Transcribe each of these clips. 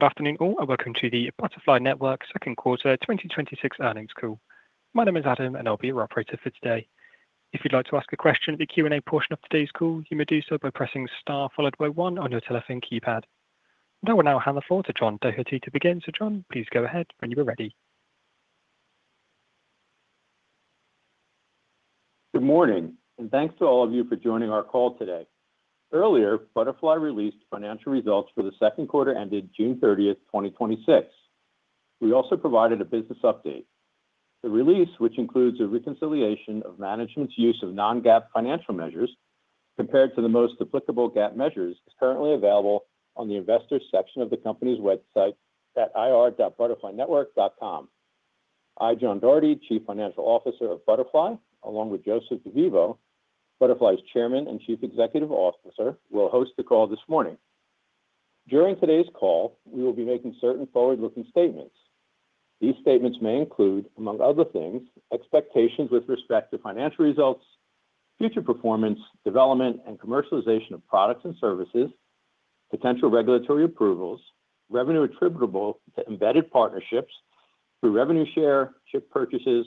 Good afternoon all, welcome to the Butterfly Network second quarter 2026 earnings call. My name is Adam, and I'll be your operator for today. If you'd like to ask a question at the Q&A portion of today's call, you may do so by pressing star followed by one on your telephone keypad. I will now hand the floor to John Doherty to begin. John, please go ahead when you are ready. Good morning, thanks to all of you for joining our call today. Earlier, Butterfly released financial results for the second quarter ended June 30th, 2026. We also provided a business update. The release, which includes a reconciliation of management's use of non-GAAP financial measures compared to the most applicable GAAP measures, is currently available on the investors section of the company's website at ir.butterflynetwork.com. I, John Doherty, Chief Financial Officer of Butterfly, along with Joseph DeVivo, Butterfly's Chairman and Chief Executive Officer, will host the call this morning. During today's call, we will be making certain forward-looking statements. These statements may include, among other things, expectations with respect to financial results, future performance, development, and commercialization of products and services, potential regulatory approvals, revenue attributable to Embedded partnerships through revenue share, chip purchases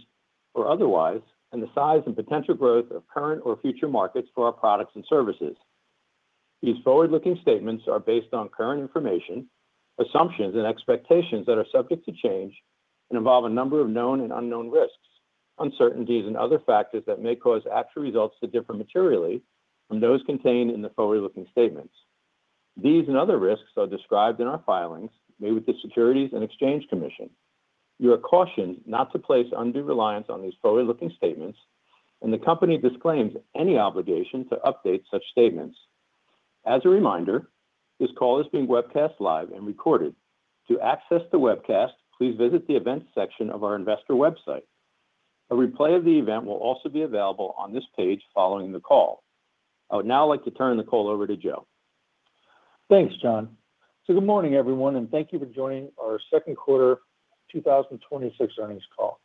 or otherwise, and the size and potential growth of current or future markets for our products and services. These forward-looking statements are based on current information, assumptions, and expectations that are subject to change and involve a number of known and unknown risks, uncertainties and other factors that may cause actual results to differ materially from those contained in the forward-looking statements. These other risks are described in our filings made with the Securities and Exchange Commission. You are cautioned not to place undue reliance on these forward-looking statements, and the company disclaims any obligation to update such statements. As a reminder, this call is being webcast live and recorded. To access the webcast, please visit the events section of our investor website. A replay of the event will also be available on this page following the call. I would now like to turn the call over to Joe. Thanks, John. Good morning everyone, and thank you for joining our second quarter 2026 earnings call.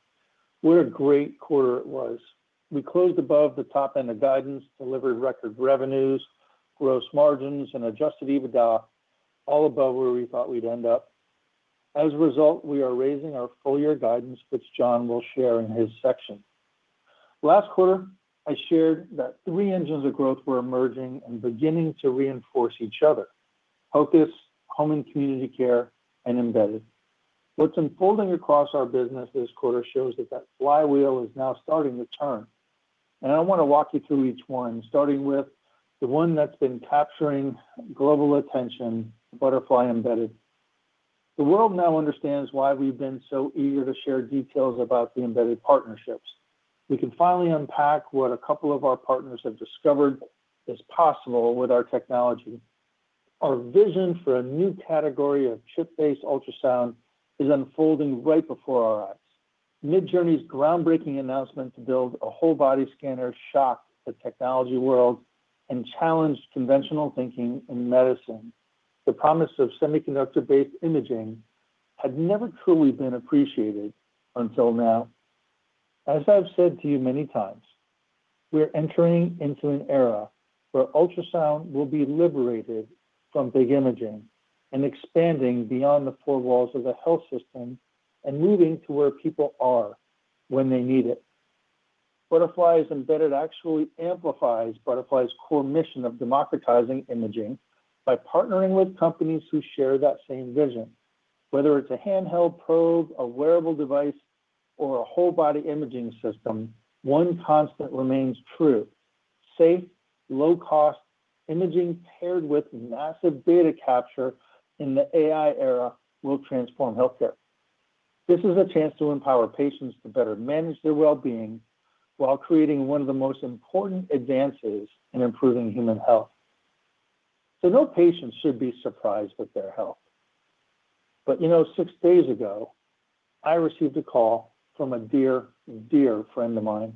What a great quarter it was. We closed above the top end of guidance, delivered record revenues, gross margins, and adjusted EBITDA all above where we thought we'd end up. As a result, we are raising our full year guidance, which John will share in his section. Last quarter, I shared that three engines of growth were emerging and beginning to reinforce each other. Focus, home and community care, and Embedded. What's unfolding across our business this quarter shows that flywheel is now starting to turn, and I want to walk you through each one, starting with the one that's been capturing global attention, Butterfly Embedded. The world now understands why we've been so eager to share details about the Embedded partnerships. We can finally unpack what a couple of our partners have discovered is possible with our technology. Our vision for a new category of chip-based ultrasound is unfolding right before our eyes. Midjourney's groundbreaking announcement to build a whole body scanner shocked the technology world and challenged conventional thinking in medicine. The promise of semiconductor-based imaging had never truly been appreciated until now. As I've said to you many times, we're entering into an era where ultrasound will be liberated from big imaging and expanding beyond the four walls of the health system and moving to where people are when they need it. Butterfly's Embedded actually amplifies Butterfly's core mission of democratizing imaging by partnering with companies who share that same vision. Whether it's a handheld probe, a wearable device, or a whole body imaging system, one constant remains true. Safe, low cost imaging paired with massive data capture in the AI era will transform healthcare. This is a chance to empower patients to better manage their wellbeing while creating one of the most important advances in improving human health. No patient should be surprised with their health. Six days ago, I received a call from a dear friend of mine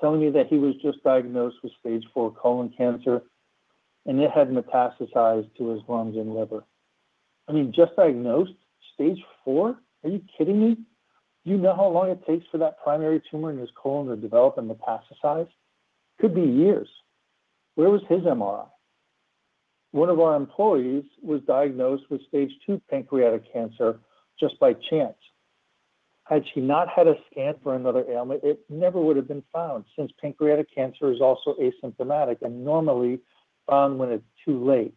telling me that he was just diagnosed with stage 4 colon cancer, and it had metastasized to his lungs and liver. I mean, just diagnosed? Stage 4? Are you kidding me? Do you know how long it takes for that primary tumor in his colon to develop and metastasize? Could be years. Where was his MRI? One of our employees was diagnosed with stage 2 pancreatic cancer just by chance. Had she not had a scan for another ailment, it never would've been found, since pancreatic cancer is also asymptomatic and normally found when it's too late.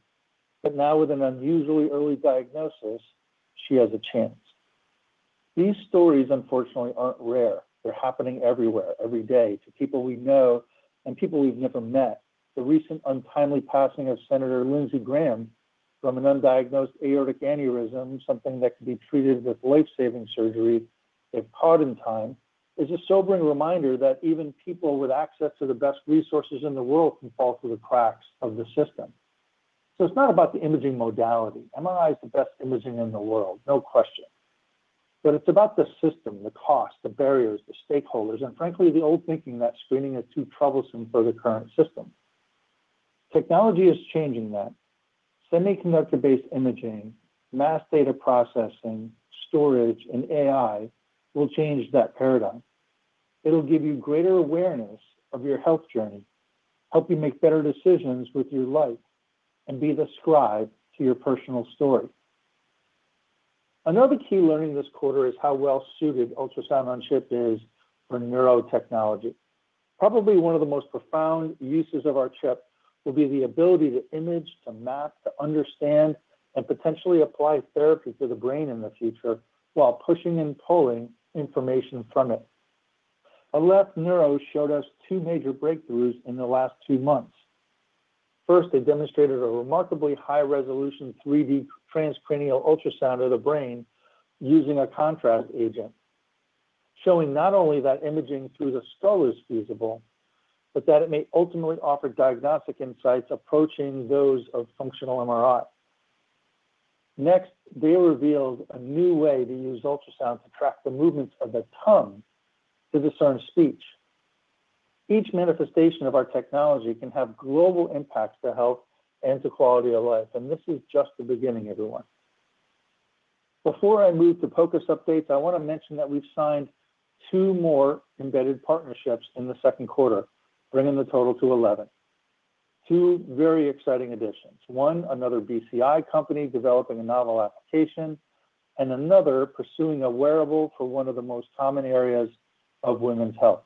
Now with an unusually early diagnosis, she has a chance. These stories, unfortunately, aren't rare. They're happening everywhere, every day to people we know and people we've never met. The recent untimely passing of Senator Lindsey Graham from an undiagnosed aortic aneurysm, something that could be treated with life-saving surgery if caught in time, is a sobering reminder that even people with access to the best resources in the world can fall through the cracks of the system. It's not about the imaging modality. MRI is the best imaging in the world, no question. It's about the system, the cost, the barriers, the stakeholders, and frankly, the old thinking that screening is too troublesome for the current system. Technology is changing that. Semiconductor-based imaging, mass data processing, storage, and AI will change that paradigm. It'll give you greater awareness of your health journey, help you make better decisions with your life, and be the scribe to your personal story. Another key learning this quarter is how well-suited Ultrasound-on-Chip is for neurotechnology. Probably one of the most profound uses of our chip will be the ability to image, to map, to understand, and potentially apply therapy to the brain in the future while pushing and pulling information from it. Aleph Neuro showed us two major breakthroughs in the last two months. First, they demonstrated a remarkably high-resolution 3D transcranial ultrasound of the brain using a contrast agent, showing not only that imaging through the skull is feasible, but that it may ultimately offer diagnostic insights approaching those of functional MRI. They revealed a new way to use ultrasound to track the movements of the tongue to discern speech. Each manifestation of our technology can have global impacts to health and to quality of life. This is just the beginning, everyone. Before I move to POCUS updates, I want to mention that we've signed two more Embedded partnerships in the second quarter, bringing the total to 11. Two very exciting additions. One, another BCI company developing a novel application, and another pursuing a wearable for one of the most common areas of women's health.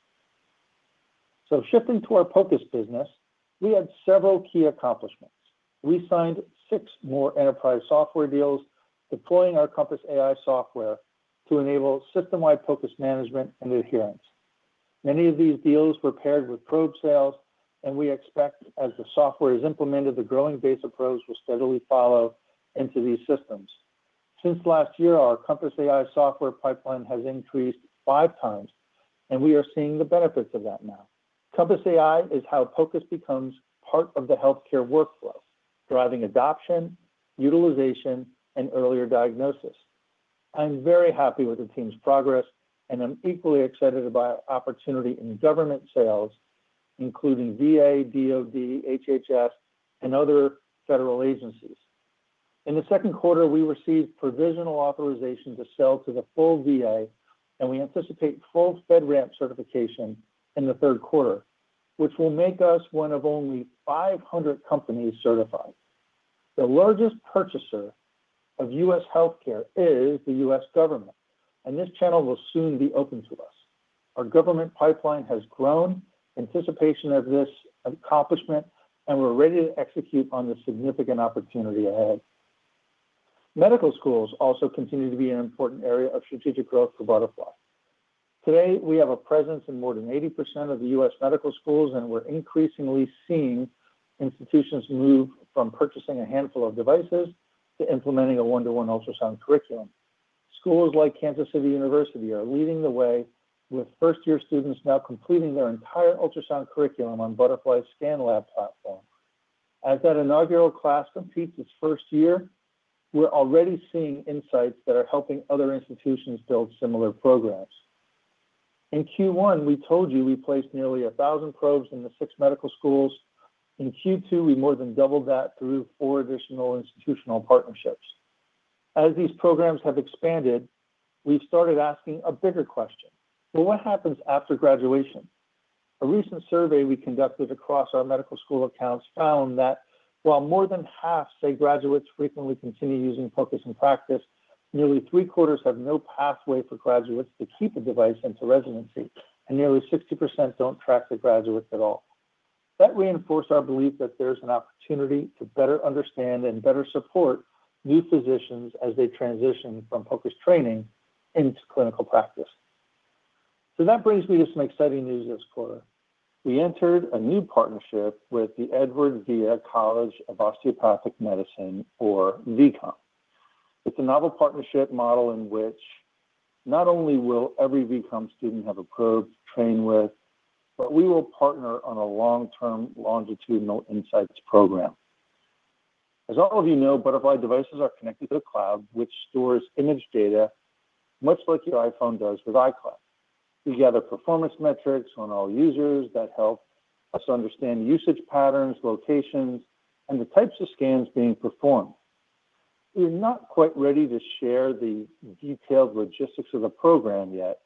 Shifting to our POCUS business, we had several key accomplishments. We signed six more enterprise software deals deploying our Compass AI software to enable system-wide POCUS management and adherence. Many of these deals were paired with probe sales. We expect as the software is implemented, the growing base of probes will steadily follow into these systems. Since last year, our Compass AI software pipeline has increased 5x. We are seeing the benefits of that now. Compass AI is how POCUS becomes part of the healthcare workflow, driving adoption, utilization, and earlier diagnosis. I'm very happy with the team's progress. I'm equally excited about our opportunity in government sales, including VA, DoD, HHS, and other federal agencies. In the second quarter, we received provisional authorization to sell to the full VA. We anticipate full FedRAMP certification in the third quarter, which will make us one of only 500 companies certified. The largest purchaser of U.S. healthcare is the U.S. government. This channel will soon be open to us. Our government pipeline has grown in anticipation of this accomplishment. We're ready to execute on the significant opportunity ahead. Medical schools also continue to be an important area of strategic growth for Butterfly. Today, we have a presence in more than 80% of the U.S. medical schools. We're increasingly seeing institutions move from purchasing a handful of devices to implementing a one-to-one ultrasound curriculum. Schools like Kansas City University are leading the way with first-year students now completing their entire ultrasound curriculum on Butterfly ScanLab platform. As that inaugural class completes its first year, we're already seeing insights that are helping other institutions build similar programs. In Q1, we told you we placed nearly 1,000 probes in the six medical schools. In Q2, we more than doubled that through four additional institutional partnerships. As these programs have expanded, we've started asking a bigger question. What happens after graduation? A recent survey we conducted across our medical school accounts found that while more than half say graduates frequently continue using POCUS in practice, nearly three-quarters have no pathway for graduates to keep a device into residency, and nearly 60% don't track their graduates at all. That reinforced our belief that there's an opportunity to better understand and better support new physicians as they transition from POCUS training into clinical practice. That brings me to some exciting news this quarter. We entered a new partnership with the Edward Via College of Osteopathic Medicine or VCOM. It's a novel partnership model in which not only will every VCOM student have a probe to train with, but we will partner on a long-term longitudinal insights program. As all of you know, Butterfly devices are connected to a cloud which stores image data much like your iPhone does with iCloud. We gather performance metrics on all users that help us understand usage patterns, locations, and the types of scans being performed. We're not quite ready to share the detailed logistics of the program yet,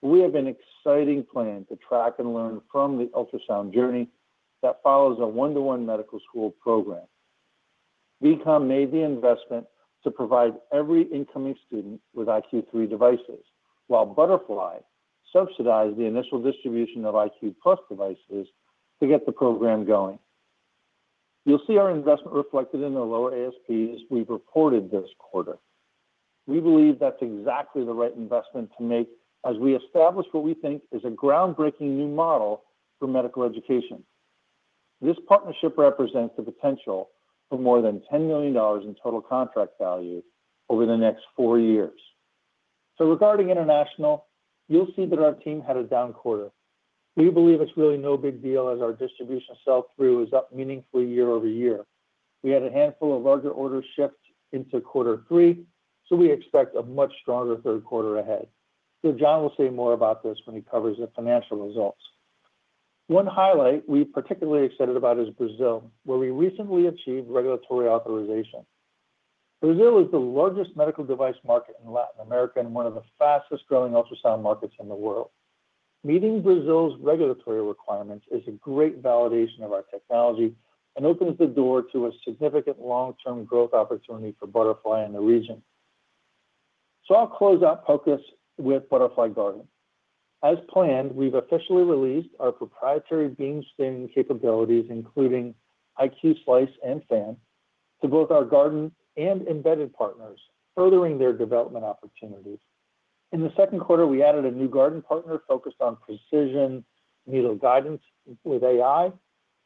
but we have an exciting plan to track and learn from the ultrasound journey that follows a one-to-one medical school program. VCOM made the investment to provide every incoming student with iQ3 devices, while Butterfly subsidized the initial distribution of iQ+ devices to get the program going. You'll see our investment reflected in the lower ASP as we've reported this quarter. We believe that's exactly the right investment to make as we establish what we think is a groundbreaking new model for medical education. This partnership represents the potential for more than $10 million in total contract value over the next four years. Regarding international, you'll see that our team had a down quarter. We believe it's really no big deal as our distribution sell-through is up meaningfully year-over-year. We had a handful of larger orders shift into quarter three, we expect a much stronger third quarter ahead. John will say more about this when he covers the financial results. One highlight we're particularly excited about is Brazil, where we recently achieved regulatory authorization. Brazil is the largest medical device market in Latin America and one of the fastest-growing ultrasound markets in the world. Meeting Brazil's regulatory requirements is a great validation of our technology and opens the door to a significant long-term growth opportunity for Butterfly in the region. I'll close out focus with Butterfly Garden. As planned, we've officially released our proprietary beam steering capabilities, including iQ Slice and Fan, to both our Garden and Embedded partners, furthering their development opportunities. In the second quarter, we added a new Garden partner focused on precision needle guidance with AI,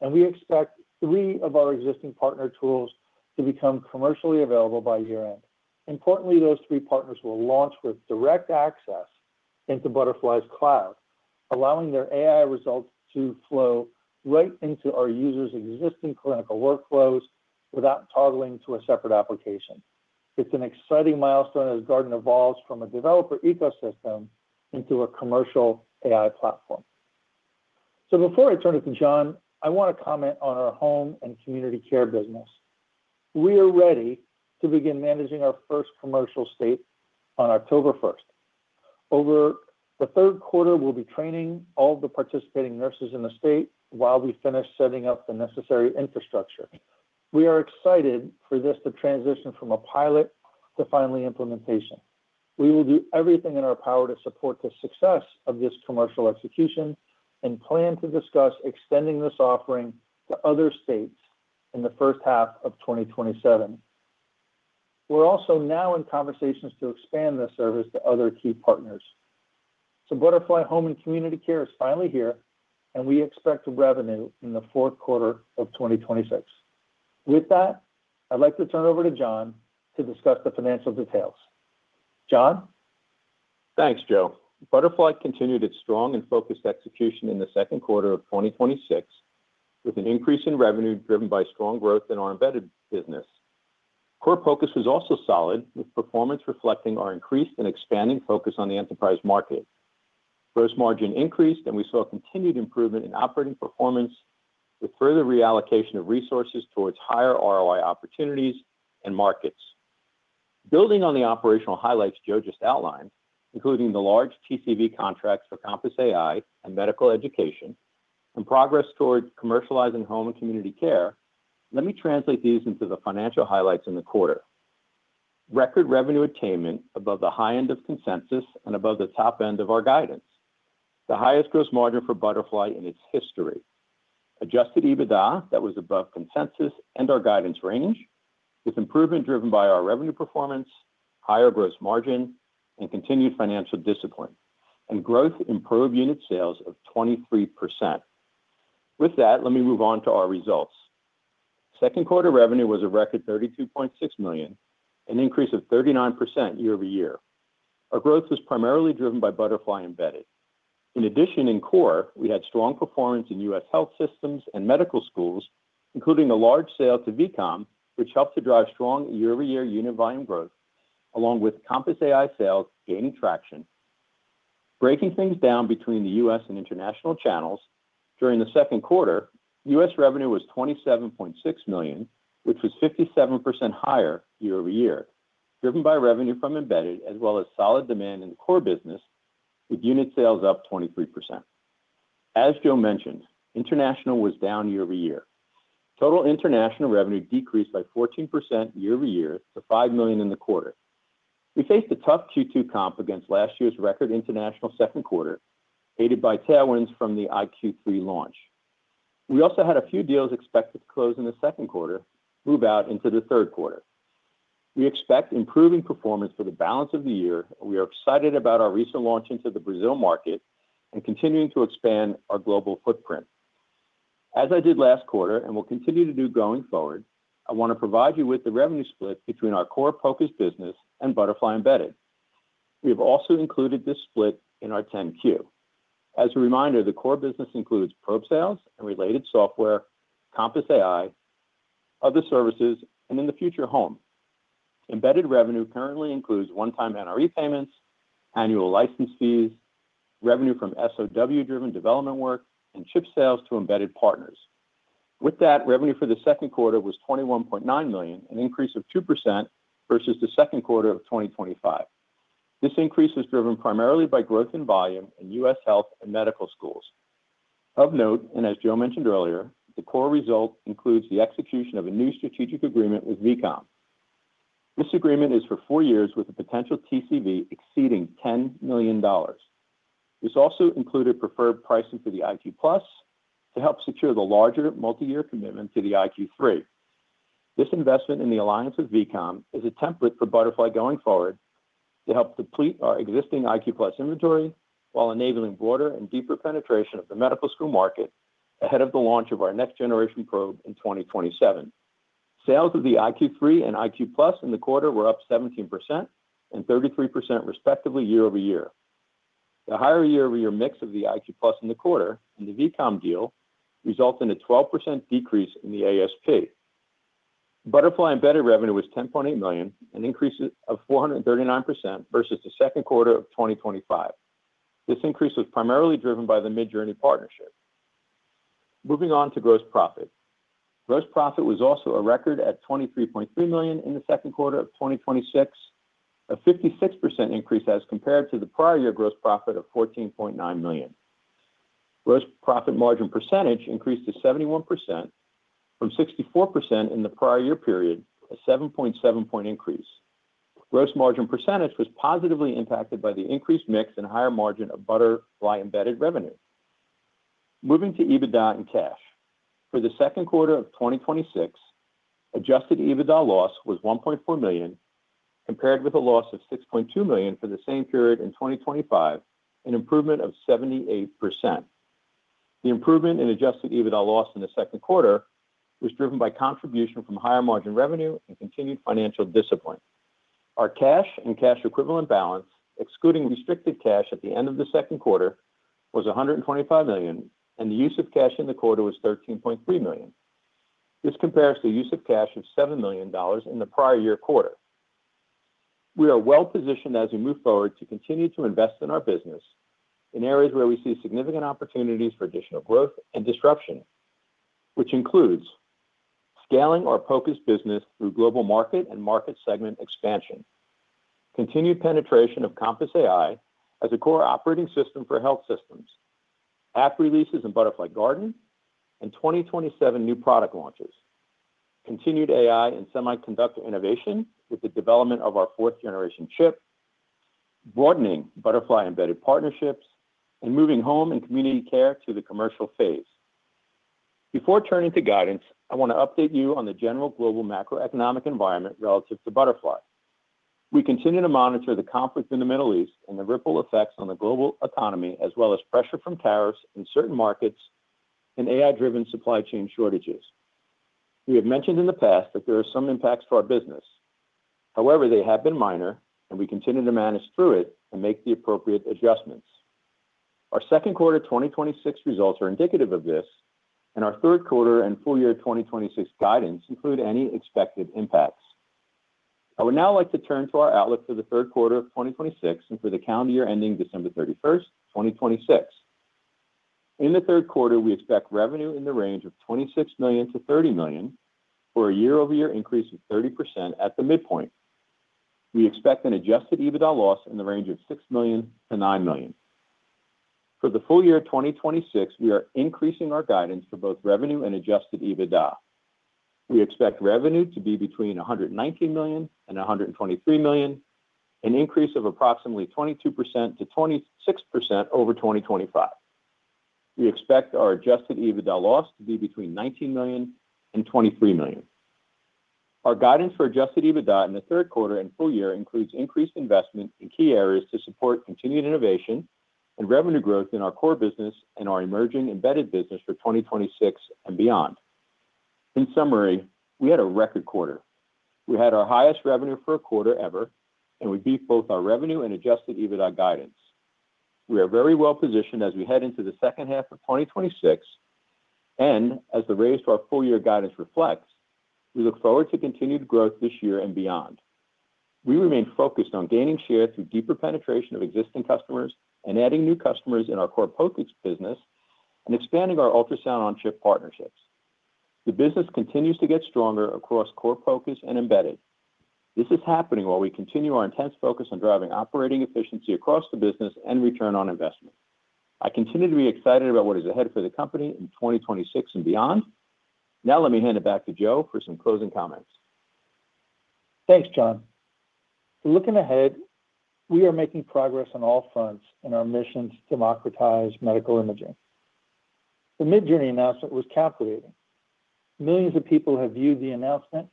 and we expect three of our existing partner tools to become commercially available by year-end. Importantly, those three partners will launch with direct access into Butterfly's cloud, allowing their AI results to flow right into our users' existing clinical workflows without toggling to a separate application. It's an exciting milestone as Garden evolves from a developer ecosystem into a commercial AI platform. Before I turn it to John, I want to comment on our home and community care business. We are ready to begin managing our first commercial state on October 1st. Over the third quarter, we'll be training all the participating nurses in the state while we finish setting up the necessary infrastructure. We are excited for this to transition from a pilot to finally implementation. We will do everything in our power to support the success of this commercial execution and plan to discuss extending this offering to other states in the first half of 2027. We're also now in conversations to expand this service to other key partners. Butterfly Home and Community Care is finally here, and we expect revenue in the fourth quarter of 2026. With that, I'd like to turn it over to John to discuss the financial details. John. Thanks, Joe. Butterfly continued its strong and focused execution in the second quarter of 2026 with an increase in revenue driven by strong growth in our Embedded business. Core was also solid, with performance reflecting our increased and expanding focus on the enterprise market. Gross margin increased, and we saw continued improvement in operating performance with further reallocation of resources towards higher ROI opportunities and markets. Building on the operational highlights Joe just outlined, including the large TCV contracts for Compass AI and medical education and progress towards commercializing Home and Community Care, let me translate these into the financial highlights in the quarter. Record revenue attainment above the high end of consensus and above the top end of our guidance. The highest gross margin for Butterfly in its history. Adjusted EBITDA that was above consensus and our guidance range, with improvement driven by our revenue performance, higher gross margin, and continued financial discipline. Growth in probe unit sales of 23%. With that, let me move on to our results. Second quarter revenue was a record $32.6 million, an increase of 39% year-over-year. Our growth was primarily driven by Butterfly Embedded. In addition, in Core, we had strong performance in U.S. health systems and medical schools, including a large sale to VCOM, which helped to drive strong year-over-year unit volume growth, along with Compass AI sales gaining traction. Breaking things down between the U.S. and international channels, during the second quarter, U.S. revenue was $27.6 million, which was 57% higher year-over-year, driven by revenue from Embedded as well as solid demand in the Core business with unit sales up 23%. As Joe mentioned, international was down year-over-year. Total international revenue decreased by 14% year-over-year to $5 million in the quarter. We faced a tough Q2 comp against last year's record international second quarter, aided by tailwinds from the iQ3 launch. We also had a few deals expected to close in the second quarter move out into the third quarter. We expect improving performance for the balance of the year. We are excited about our recent launch into the Brazil market and continuing to expand our global footprint. As I did last quarter and will continue to do going forward, I want to provide you with the revenue split between our Core Focus business and Butterfly Embedded. We have also included this split in our 10-Q. As a reminder, the Core business includes probe sales and related software, Compass AI, other services, and in the future, home. Embedded revenue currently includes one-time NRE payments, annual license fees, revenue from SOW-driven development work, and chip sales to Embedded partners. Revenue for the second quarter was $21.9 million, an increase of 2% versus the second quarter of 2025. This increase was driven primarily by growth in volume in U.S. health and medical schools. Of note, and as Joe mentioned earlier, the core result includes the execution of a new strategic agreement with VCOM. This agreement is for four years with a potential TCV exceeding $10 million. This also included preferred pricing for the iQ+ to help secure the larger multi-year commitment to the iQ3. This investment in the alliance with VCOM is a template for Butterfly going forward to help deplete our existing iQ+ inventory while enabling broader and deeper penetration of the medical school market ahead of the launch of our next-generation probe in 2027. Sales of the iQ3 and iQ+ in the quarter were up 17% and 33% respectively year-over-year. The higher year-over-year mix of the iQ+ in the quarter and the VCOM deal result in a 12% decrease in the ASP. Butterfly Embedded revenue was $10.8 million, an increase of 439% versus the second quarter of 2025. This increase was primarily driven by the Midjourney partnership. Moving on to gross profit. Gross profit was also a record at $23.3 million in the second quarter of 2026, a 56% increase as compared to the prior year gross profit of $14.9 million. Gross profit margin percentage increased to 71% from 64% in the prior year period, a 7.7 point increase. Gross margin percentage was positively impacted by the increased mix and higher margin of Butterfly Embedded revenue. Moving to EBITDA and cash. For the second quarter of 2026, adjusted EBITDA loss was $1.4 million, compared with a loss of $6.2 million for the same period in 2025, an improvement of 78%. The improvement in adjusted EBITDA loss in the second quarter was driven by contribution from higher margin revenue and continued financial discipline. Our cash and cash equivalent balance, excluding restricted cash at the end of the second quarter, was $125 million, and the use of cash in the quarter was $13.3 million. This compares to use of cash of $7 million in the prior year quarter. We are well-positioned as we move forward to continue to invest in our business in areas where we see significant opportunities for additional growth and disruption, which includes scaling our focused business through global market and market segment expansion. Continued penetration of Compass AI as a core operating system for health systems, app releases in Butterfly Garden, and 2027 new product launches, continued AI and semiconductor innovation with the development of our fourth-generation chip, broadening Butterfly Embedded partnerships, and moving Butterfly Home and Community Care to the commercial phase. Before turning to guidance, I want to update you on the general global macroeconomic environment relative to Butterfly. We continue to monitor the conflict in the Middle East and the ripple effects on the global economy, as well as pressure from tariffs in certain markets and AI-driven supply chain shortages. We have mentioned in the past that there are some impacts to our business. However, they have been minor and we continue to manage through it and make the appropriate adjustments. Our second quarter 2026 results are indicative of this, and our third quarter and full year 2026 guidance include any expected impacts. I would now like to turn to our outlook for the third quarter of 2026 and for the calendar year ending December 31st, 2026. In the third quarter, we expect revenue in the range of $26 million-$30 million for a year-over-year increase of 30% at the midpoint. We expect an adjusted EBITDA loss in the range of $6 million-$9 million. For the full year 2026, we are increasing our guidance for both revenue and adjusted EBITDA. We expect revenue to be between $119 million and $123 million, an increase of approximately 22%-26% over 2025. We expect our adjusted EBITDA loss to be between $19 million and $23 million. Our guidance for adjusted EBITDA in the third quarter and full year includes increased investment in key areas to support continued innovation and revenue growth in our core business and our emerging Embedded business for 2026 and beyond. In summary, we had a record quarter. We had our highest revenue for a quarter ever, and we beat both our revenue and adjusted EBITDA guidance. We are very well-positioned as we head into the second half of 2026, and as the raise to our full year guidance reflects, we look forward to continued growth this year and beyond. We remain focused on gaining share through deeper penetration of existing customers and adding new customers in our core focused business and expanding our Ultrasound-on-Chip partnerships. The business continues to get stronger across core focus and Embedded. This is happening while we continue our intense focus on driving operating efficiency across the business and return on investment. I continue to be excited about what is ahead for the company in 2026 and beyond. Now let me hand it back to Joe for some closing comments. Thanks, John. Looking ahead, we are making progress on all fronts in our mission to democratize medical imaging. The Midjourney announcement was captivating. Millions of people have viewed the announcement,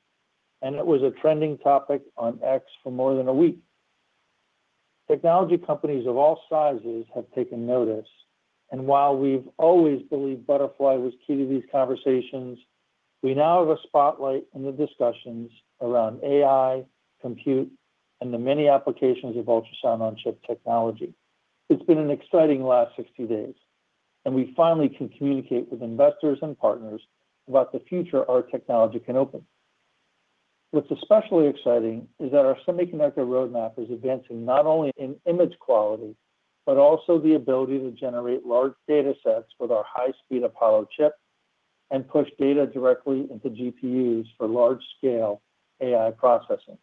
and it was a trending topic on X for more than a week. Technology companies of all sizes have taken notice, and while we've always believed Butterfly was key to these conversations, we now have a spotlight in the discussions around AI, compute, and the many applications of Ultrasound-on-Chip technology. It's been an exciting last 60 days, and we finally can communicate with investors and partners about the future our technology can open. What's especially exciting is that our semiconductor roadmap is advancing not only in image quality, but also the ability to generate large data sets with our high-speed Apollo chip and push data directly into GPUs for large-scale AI processing.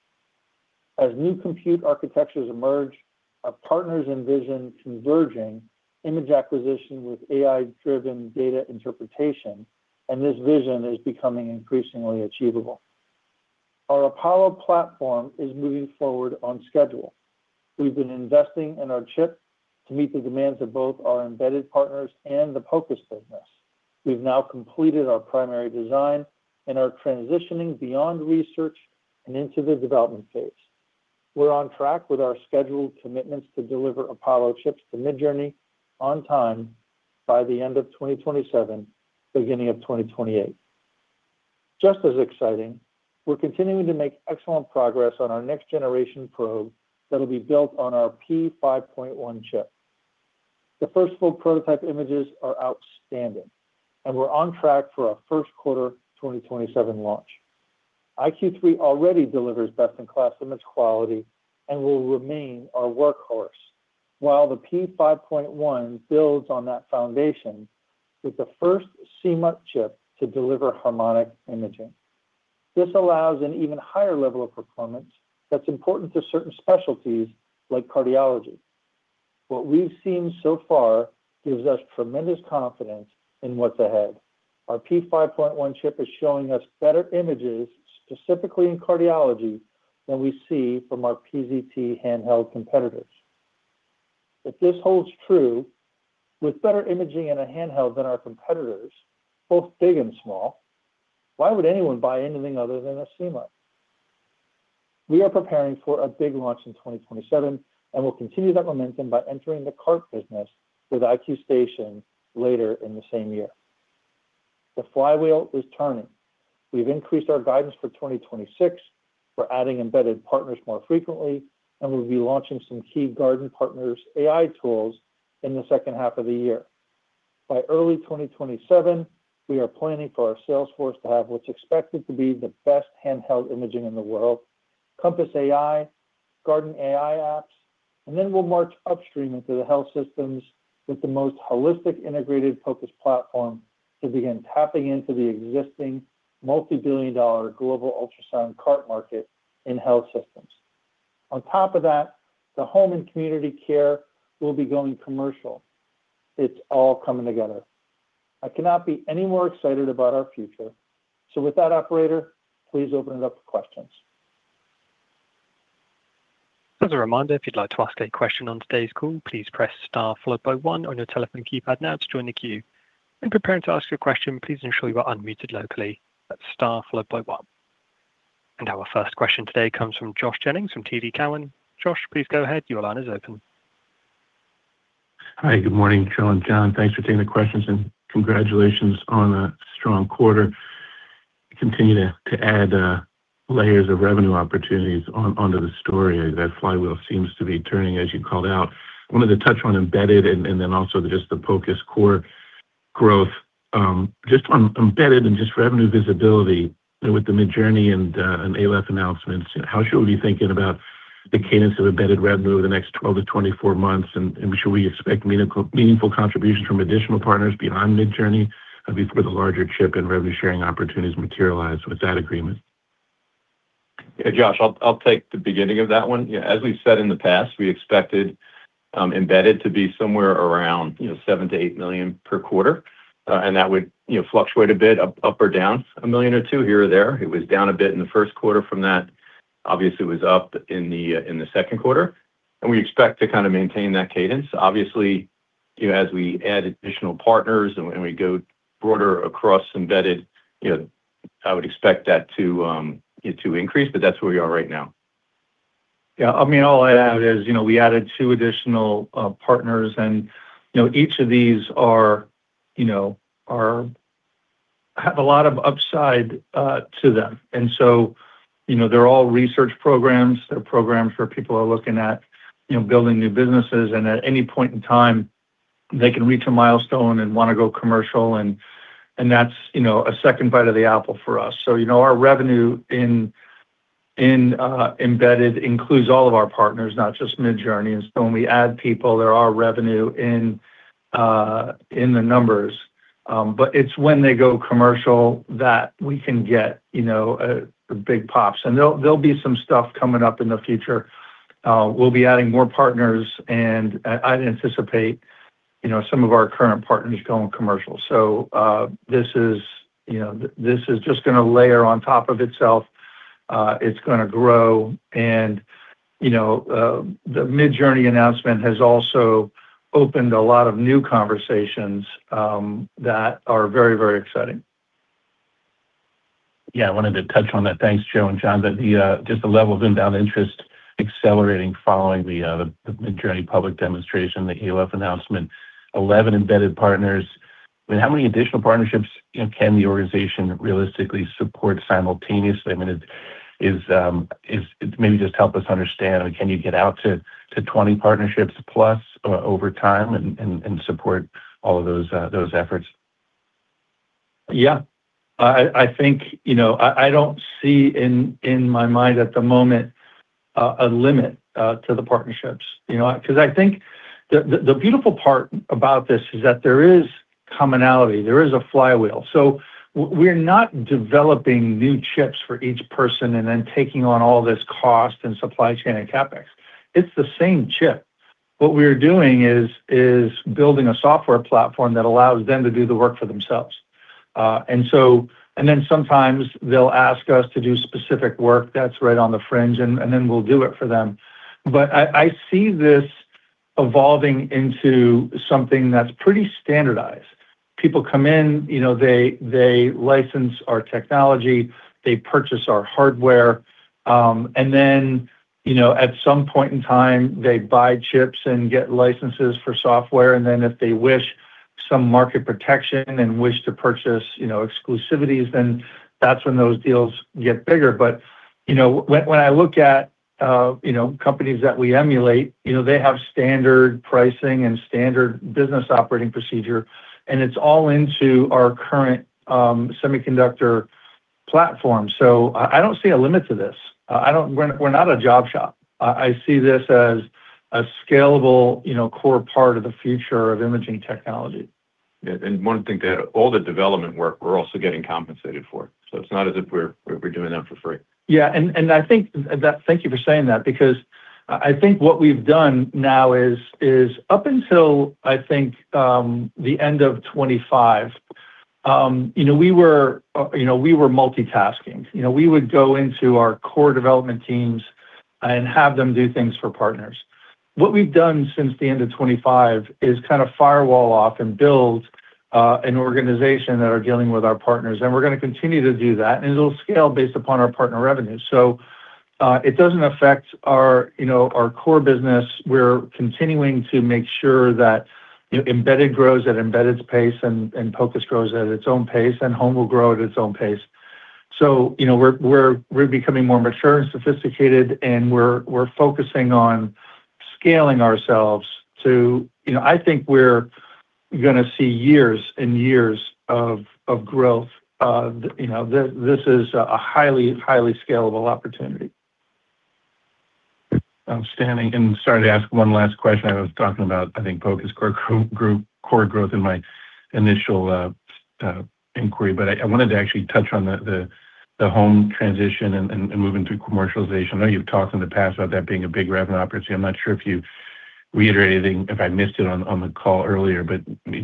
As new compute architectures emerge, our partners envision converging image acquisition with AI-driven data interpretation, and this vision is becoming increasingly achievable. Our Apollo platform is moving forward on schedule. We've been investing in our chip to meet the demands of both our Embedded partners and the focused business. We've now completed our primary design and are transitioning beyond research and into the development phase. We're on track with our scheduled commitments to deliver Apollo chips to Midjourney on time by the end of 2027, beginning of 2028. Just as exciting, we're continuing to make excellent progress on our next generation probe that'll be built on our P5.1 chip. The first full prototype images are outstanding, and we're on track for a first quarter 2027 launch. iQ3 already delivers best-in-class image quality and will remain our workhorse, while the P5.1 builds on that foundation with the first CMUT chip to deliver harmonic imaging. This allows an even higher level of performance that's important to certain specialties like cardiology. What we've seen so far gives us tremendous confidence in what's ahead. Our P5.1 chip is showing us better images, specifically in cardiology, than we see from our PZT handheld competitors. If this holds true, with better imaging in a handheld than our competitors, both big and small, why would anyone buy anything other than a CMUT? We are preparing for a big launch in 2027, and we'll continue that momentum by entering the cart business with iQ Station later in the same year. The flywheel is turning. We've increased our guidance for 2026. We're adding Embedded partners more frequently, and we'll be launching some key Garden partners AI tools in the second half of the year. By early 2027, we are planning for our sales force to have what's expected to be the best handheld imaging in the world, Compass AI, Garden AI apps, and then we'll march upstream into the health systems with the most holistic integrated POCUS platform to begin tapping into the existing multi-billion dollar global ultrasound cart market in health systems. On top of that, the home and community care will be going commercial. It's all coming together. I cannot be any more excited about our future. With that, Operator, please open it up for questions. As a reminder, if you'd like to ask a question on today's call, please press star followed by one on your telephone keypad now to join the queue. When preparing to ask your question, please ensure you are unmuted locally. That's star followed by one. Our first question today comes from Josh Jennings from TD Cowen. Josh, please go ahead. Your line is open. Hi, good morning, Joe and John. Thanks for taking the questions and congratulations on a strong quarter. Continue to add layers of revenue opportunities onto the story. That flywheel seems to be turning, as you called out. Wanted to touch on Embedded and then also just the POCUS core growth. Just on Embedded and just revenue visibility with the Midjourney and Aleph announcements, how should we be thinking about the cadence of Embedded revenue over the next 12-24 months, and should we expect meaningful contribution from additional partners beyond Midjourney before the larger chip and revenue-sharing opportunities materialize with that agreement? Josh, I'll take the beginning of that one. As we've said in the past, we expected Embedded to be somewhere around $7 million-$8 million per quarter, and that would fluctuate a bit up or down, $1 million or $2 million here or there. It was down a bit in the first quarter from that. Obviously, it was up in the second quarter. We expect to kind of maintain that cadence. Obviously, as we add additional partners and we go broader across Embedded, I would expect that to increase, but that's where we are right now. All I'd add is we added two additional partners, and each of these have a lot of upside to them. They're all research programs. They're programs where people are looking at building new businesses, and at any point in time, they can reach a milestone and want to go commercial, and that's a second bite of the apple for us. Our revenue in Embedded includes all of our partners, not just Midjourney, and so when we add people, there are revenue in the numbers. It's when they go commercial that we can get the big pops. There'll be some stuff coming up in the future. We'll be adding more partners, and I'd anticipate some of our current partners going commercial. This is just going to layer on top of itself. It's going to grow and the Midjourney announcement has also opened a lot of new conversations that are very exciting. I wanted to touch on that. Thanks, Joe and John. Just the level of inbound interest accelerating following the Midjourney public demonstration, the Aleph announcement, 11 Embedded partners. How many additional partnerships can the organization realistically support simultaneously? Maybe just help us understand, can you get out to 20 partnerships plus over time and support all of those efforts? I don't see in my mind at the moment a limit to the partnerships. I think the beautiful part about this is that there is commonality. There is a flywheel. We're not developing new chips for each person and then taking on all this cost and supply chain and CapEx. It's the same chip. What we're doing is building a software platform that allows them to do the work for themselves. Sometimes they'll ask us to do specific work that's right on the fringe, and then we'll do it for them. I see this evolving into something that's pretty standardized. People come in, they license our technology, they purchase our hardware. At some point in time, they buy chips and get licenses for software. If they wish some market protection and wish to purchase exclusivities, that's when those deals get bigger. When I look at companies that we emulate, they have standard pricing and standard business operating procedure. It's all into our current semiconductor platform. I don't see a limit to this. We're not a job shop. I see this as a scalable, core part of the future of imaging technology. One thing, all the development work we're also getting compensated for, it's not as if we're doing that for free. Thank you for saying that, because I think what we've done now is up until the end of 2025, we were multitasking. We would go into our core development teams and have them do things for partners. What we've done since the end of 2025 is kind of firewall off and build an organization that are dealing with our partners, and we're going to continue to do that, and it'll scale based upon our partner revenue. It doesn't affect our core business. We're continuing to make sure that Embedded grows at Embedded's pace and POCUS grows at its own pace, and Home will grow at its own pace. We're becoming more mature and sophisticated, and we're focusing on scaling ourselves to. I think we're going to see years and years of growth. This is a highly scalable opportunity. I'm standing and starting to ask one last question. I was talking about POCUS core growth in my initial inquiry, but I wanted to actually touch on the Home transition and moving through commercialization. I know you've talked in the past about that being a big revenue opportunity. I'm not sure if you reiterated anything, if I missed it on the call earlier.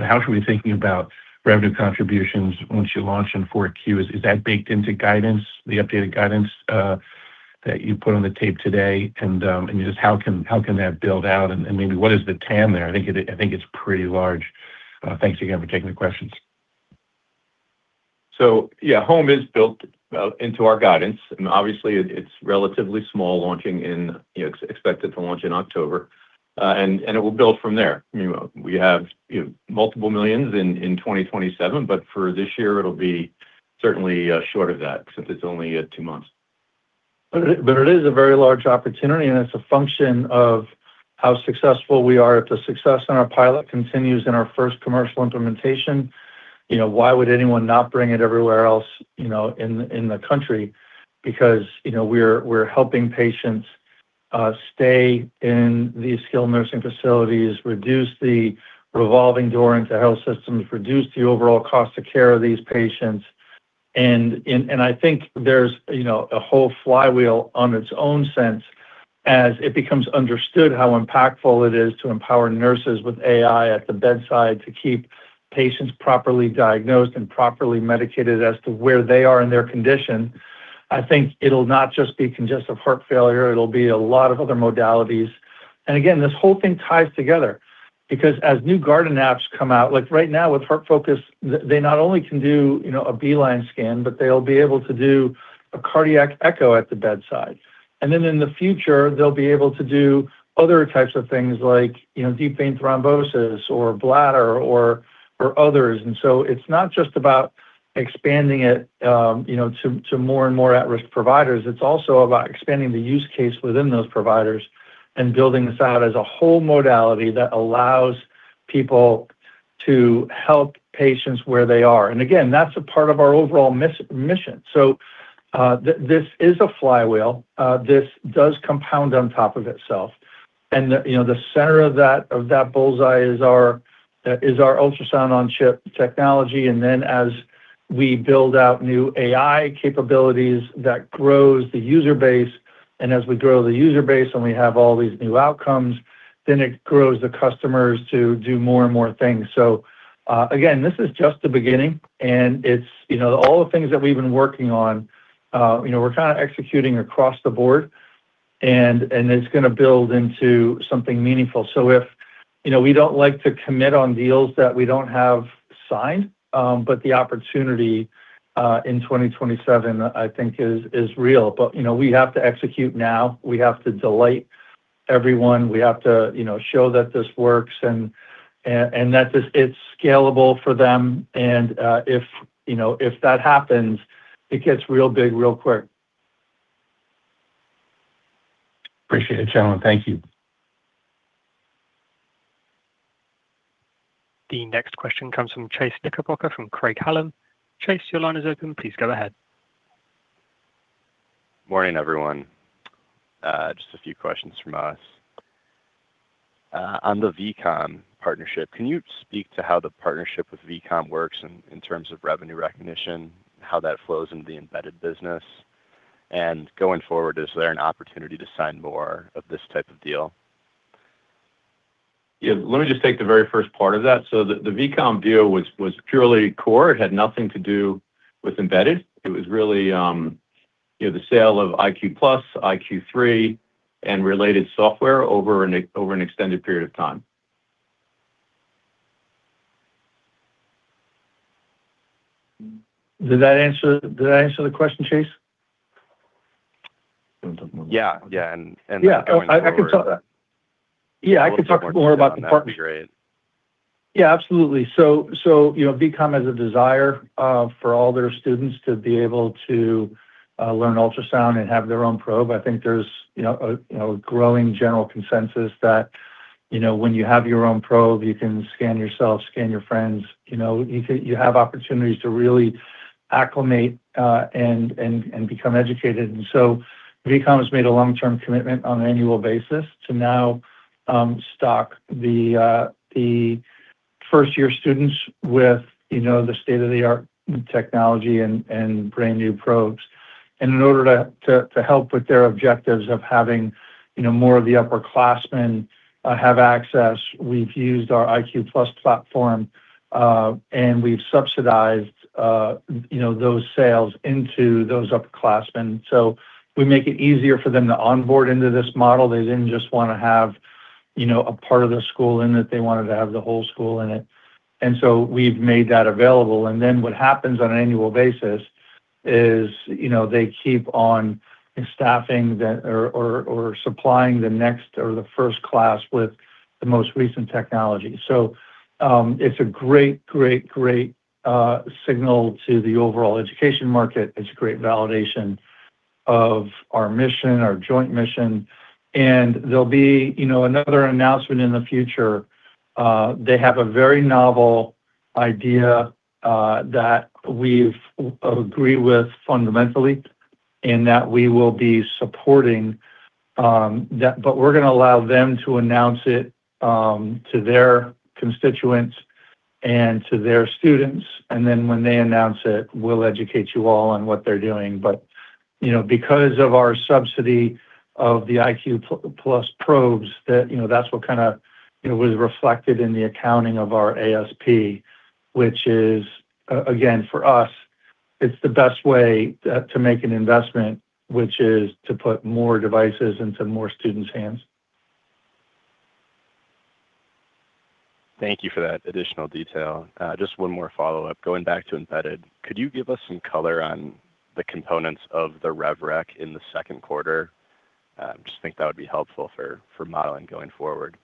How should we be thinking about revenue contributions once you launch in four Qs? Is that baked into the updated guidance that you put on the tape today? Just how can that build out, and maybe what is the TAM there? I think it's pretty large. Thanks again for taking the questions. Home is built into our guidance, and obviously, it's relatively small launching and expected to launch in October. It will build from there. We have multiple millions in 2027, but for this year, it'll be certainly short of that since it's only two months. It is a very large opportunity, and it's a function of how successful we are. If the success on our pilot continues in our first commercial implementation, why would anyone not bring it everywhere else in the country? Because we're helping patients stay in these skilled nursing facilities, reduce the revolving door into health systems, reduce the overall cost of care of these patients. I think there's a whole flywheel on its own sense as it becomes understood how impactful it is to empower nurses with AI at the bedside to keep patients properly diagnosed and properly medicated as to where they are in their condition. I think it'll not just be congestive heart failure, it'll be a lot of other modalities. This whole thing ties together because as new Garden apps come out, like right now with HeartFocus, they not only can do a B-line scan, but they'll be able to do a cardiac echo at the bedside. Then in the future, they'll be able to do other types of things like deep vein thrombosis or bladder or others. It's not just about expanding it to more and more at-risk providers. It's also about expanding the use case within those providers and building this out as a whole modality that allows people to help patients where they are. Again, that's a part of our overall mission. This is a flywheel. This does compound on top of itself. The center of that bullseye is our Ultrasound-on-Chip technology. Then as we build out new AI capabilities, that grows the user base, and as we grow the user base and we have all these new outcomes, then it grows the customers to do more and more things. Again, this is just the beginning, and all the things that we've been working on, we're kind of executing across the board, and it's going to build into something meaningful. We don't like to commit on deals that we don't have signed, but the opportunity in 2027, I think, is real. We have to execute now. We have to delight everyone. We have to show that this works and that it's scalable for them. If that happens, it gets real big, real quick. Appreciate it, gentlemen. Thank you. The next question comes from Chase Knickerbocker from Craig-Hallum. Chase, your line is open. Please go ahead. Morning, everyone. Just a few questions from us. On the VCOM partnership, can you speak to how the partnership with VCOM works in terms of revenue recognition, how that flows into the Embedded business? Going forward, is there an opportunity to sign more of this type of deal? Let me just take the very first part of that. The VCOM deal was purely core. It had nothing to do with Embedded. It was really the sale of iQ+, iQ3, and related software over an extended period of time. Did that answer the question, Chase? Going forward- I can. A little bit more detail on that would be great. Absolutely. VCOM has a desire for all their students to be able to learn ultrasound and have their own probe. I think there's a growing general consensus that when you have your own probe, you can scan yourself, scan your friends. You have opportunities to really acclimate and become educated. VCOM has made a long-term commitment on an annual basis to now stock the first-year students with the state-of-the-art technology and brand-new probes. In order to help with their objectives of having more of the upperclassmen have access, we've used our iQ+ platform, and we've subsidized those sales into those upperclassmen. We make it easier for them to onboard into this model. They didn't just want to have a part of the school in it, they wanted to have the whole school in it. We've made that available. What happens on an annual basis is they keep on staffing or supplying the next or the first class with the most recent technology. It's a great signal to the overall education market. It's a great validation of our mission, our joint mission. There'll be another announcement in the future. They have a very novel idea that we've agreed with fundamentally and that we will be supporting, but we're going to allow them to announce it to their constituents and to their students. When they announce it, we'll educate you all on what they're doing. Because of our subsidy of the iQ+ probes, that's what was reflected in the accounting of our ASP, which is, again, for us, it's the best way to make an investment, which is to put more devices into more students' hands. Thank you for that additional detail. Just one more follow-up. Going back to Embedded, could you give us some color on the components of the rev rec in the second quarter? I just think that would be helpful for modeling going forward.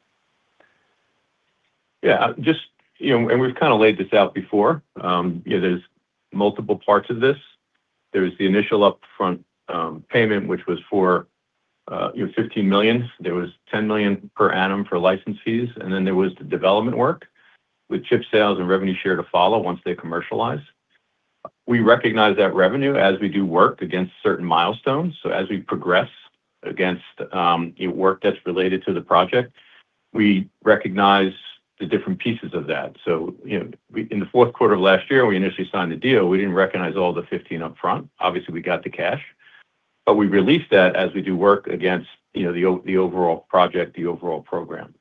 We've kind of laid this out before. There's multiple parts of this. There was the initial upfront payment, which was for $15 million. There was $10 million per annum for license fees, and then there was the development work with chip sales and revenue share to follow once they commercialize. We recognize that revenue as we do work against certain milestones. As we progress against work that's related to the project, we recognize the different pieces of that. In the fourth quarter of last year, when we initially signed the deal, we didn't recognize all the $15 million upfront. Obviously, we got the cash, we released that as we do work against the overall project, the overall program.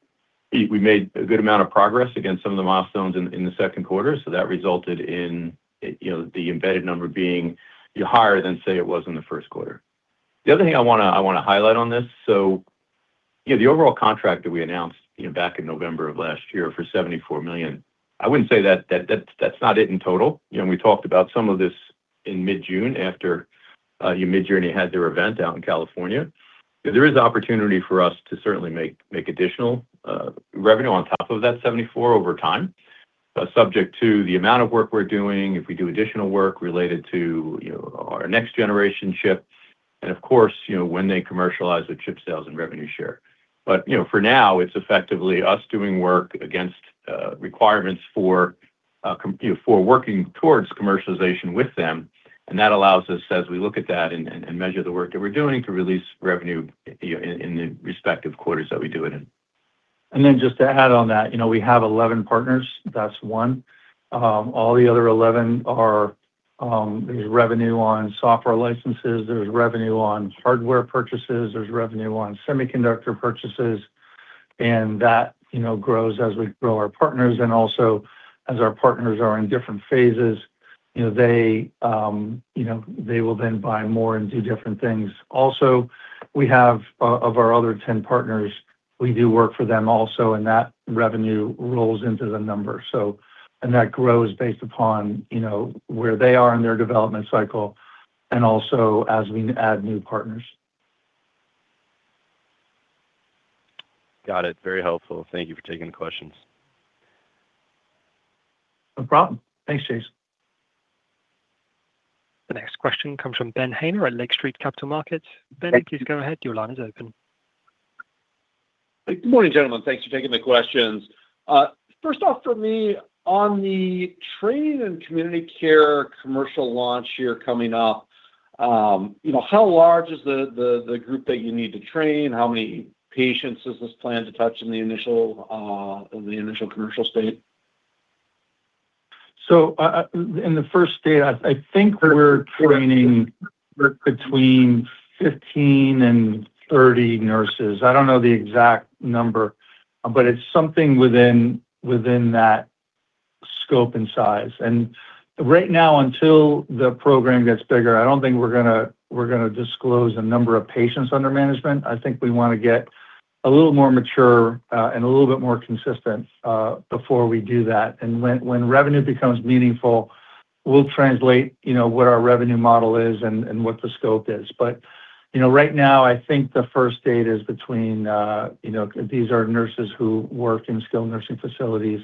We made a good amount of progress against some of the milestones in the second quarter, that resulted in the Embedded number being higher than, say, it was in the first quarter. The other thing I want to highlight on this, the overall contract that we announced back in November of last year for $74 million, I wouldn't say that's not it in total. We talked about some of this in mid-June after Midjourney had their event out in California. There is opportunity for us to certainly make additional revenue on top of that $74 million over time, subject to the amount of work we're doing, if we do additional work related to our next generation chip, and of course, when they commercialize the chip sales and revenue share. For now, it's effectively us doing work against requirements for working towards commercialization with them. That allows us, as we look at that and measure the work that we're doing, to release revenue in the respective quarters that we do it in. Just to add on that, we have 11 partners. That's one. All the other 11 are, there's revenue on software licenses, there's revenue on hardware purchases, there's revenue on semiconductor purchases, and that grows as we grow our partners. Also, as our partners are in different phases, they will then buy more and do different things. Also, we have of our other 10 partners, we do work for them also, and that revenue rolls into the number. That grows based upon where they are in their development cycle and also as we add new partners. Got it. Very helpful. Thank you for taking the questions. No problem. Thanks, Chase. The next question comes from Ben Haynor at Lake Street Capital Markets. Ben, please go ahead. Your line is open. Good morning, gentlemen. Thanks for taking the questions. First off for me, on the training and Community Care commercial launch here coming up, how large is the group that you need to train? How many patients does this plan to touch in the initial commercial state? In the first day, I think we're training between 15 and 30 nurses. I don't know the exact number, but it's something within that scope and size. Right now, until the program gets bigger, I don't think we're going to disclose the number of patients under management. I think we want to get a little more mature and a little bit more consistent before we do that. When revenue becomes meaningful. We'll translate what our revenue model is and what the scope is. Right now, I think the first state is between, these are nurses who work in skilled nursing facilities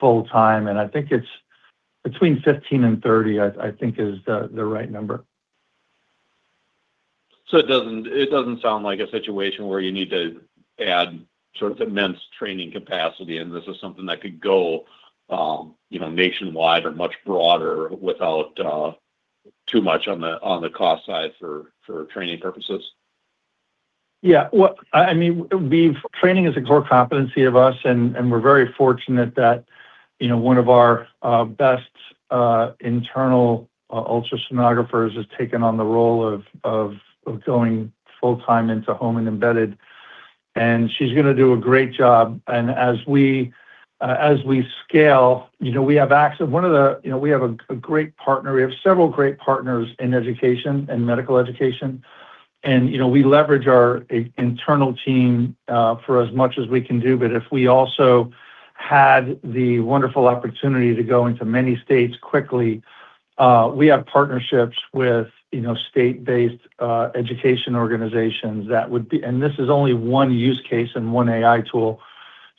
full time, and I think it's between 15 and 30, I think is the right number. It doesn't sound like a situation where you need to add immense training capacity, this is something that could go nationwide or much broader without too much on the cost side for training purposes. Training is a core competency of us, we're very fortunate that one of our best internal ultrasonographers has taken on the role of going full time into Home and Embedded, she's going to do a great job. As we scale, we have a great partner. We have several great partners in education and medical education, we leverage our internal team for as much as we can do. If we also had the wonderful opportunity to go into many states quickly, we have partnerships with state-based education organizations that would be. This is only one use case and one AI tool,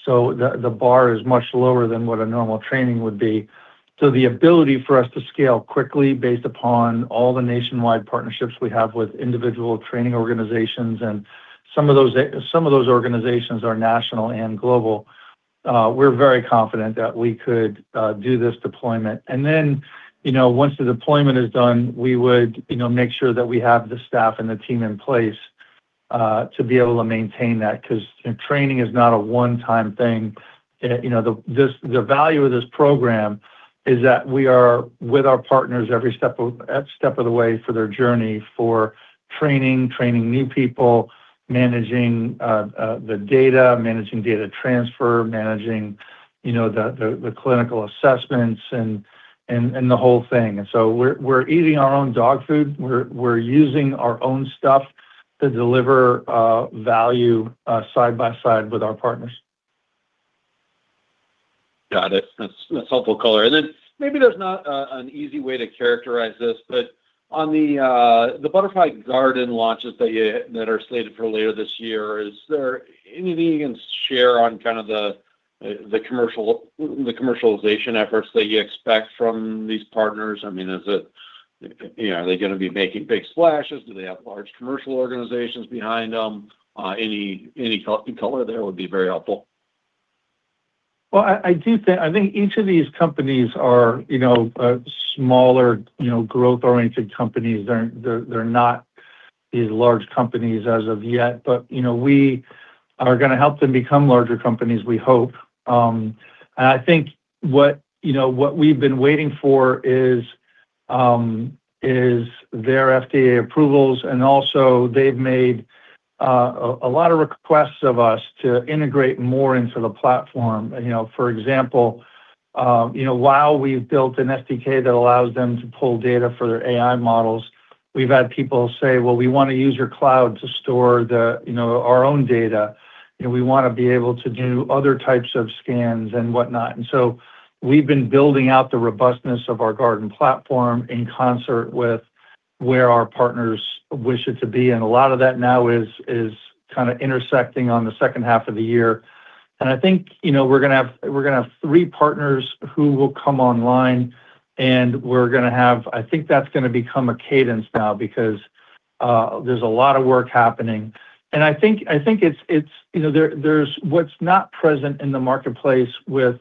the bar is much lower than what a normal training would be. The ability for us to scale quickly based upon all the nationwide partnerships we have with individual training organizations, some of those organizations are national and global. We're very confident that we could do this deployment. Once the deployment is done, we would make sure that we have the staff and the team in place to be able to maintain that, because training is not a one-time thing. The value of this program is that we are with our partners every step of the way for their journey, for training new people, managing the data, managing data transfer, managing the clinical assessments, and the whole thing. We're eating our own dog food. We're using our own stuff to deliver value side by side with our partners. Got it. That's helpful color. Maybe there's not an easy way to characterize this, but on the Butterfly Garden launches that are slated for later this year, is there anything you can share on kind of the commercialization efforts that you expect from these partners? Are they going to be making big splashes? Do they have large commercial organizations behind them? Any color there would be very helpful. Well, I think each of these companies are smaller, growth-oriented companies. They're not these large companies as of yet. We are going to help them become larger companies, we hope. I think what we've been waiting for is their FDA approvals, and also they've made a lot of requests of us to integrate more into the platform. For example, while we've built an SDK that allows them to pull data for their AI models, we've had people say, "Well, we want to use your cloud to store our own data, and we want to be able to do other types of scans and whatnot." We've been building out the robustness of our Garden platform in concert with where our partners wish it to be, and a lot of that now is kind of intersecting on the second half of the year. I think we're going to have three partners who will come online, and I think that's going to become a cadence now because there's a lot of work happening. I think what's not present in the marketplace with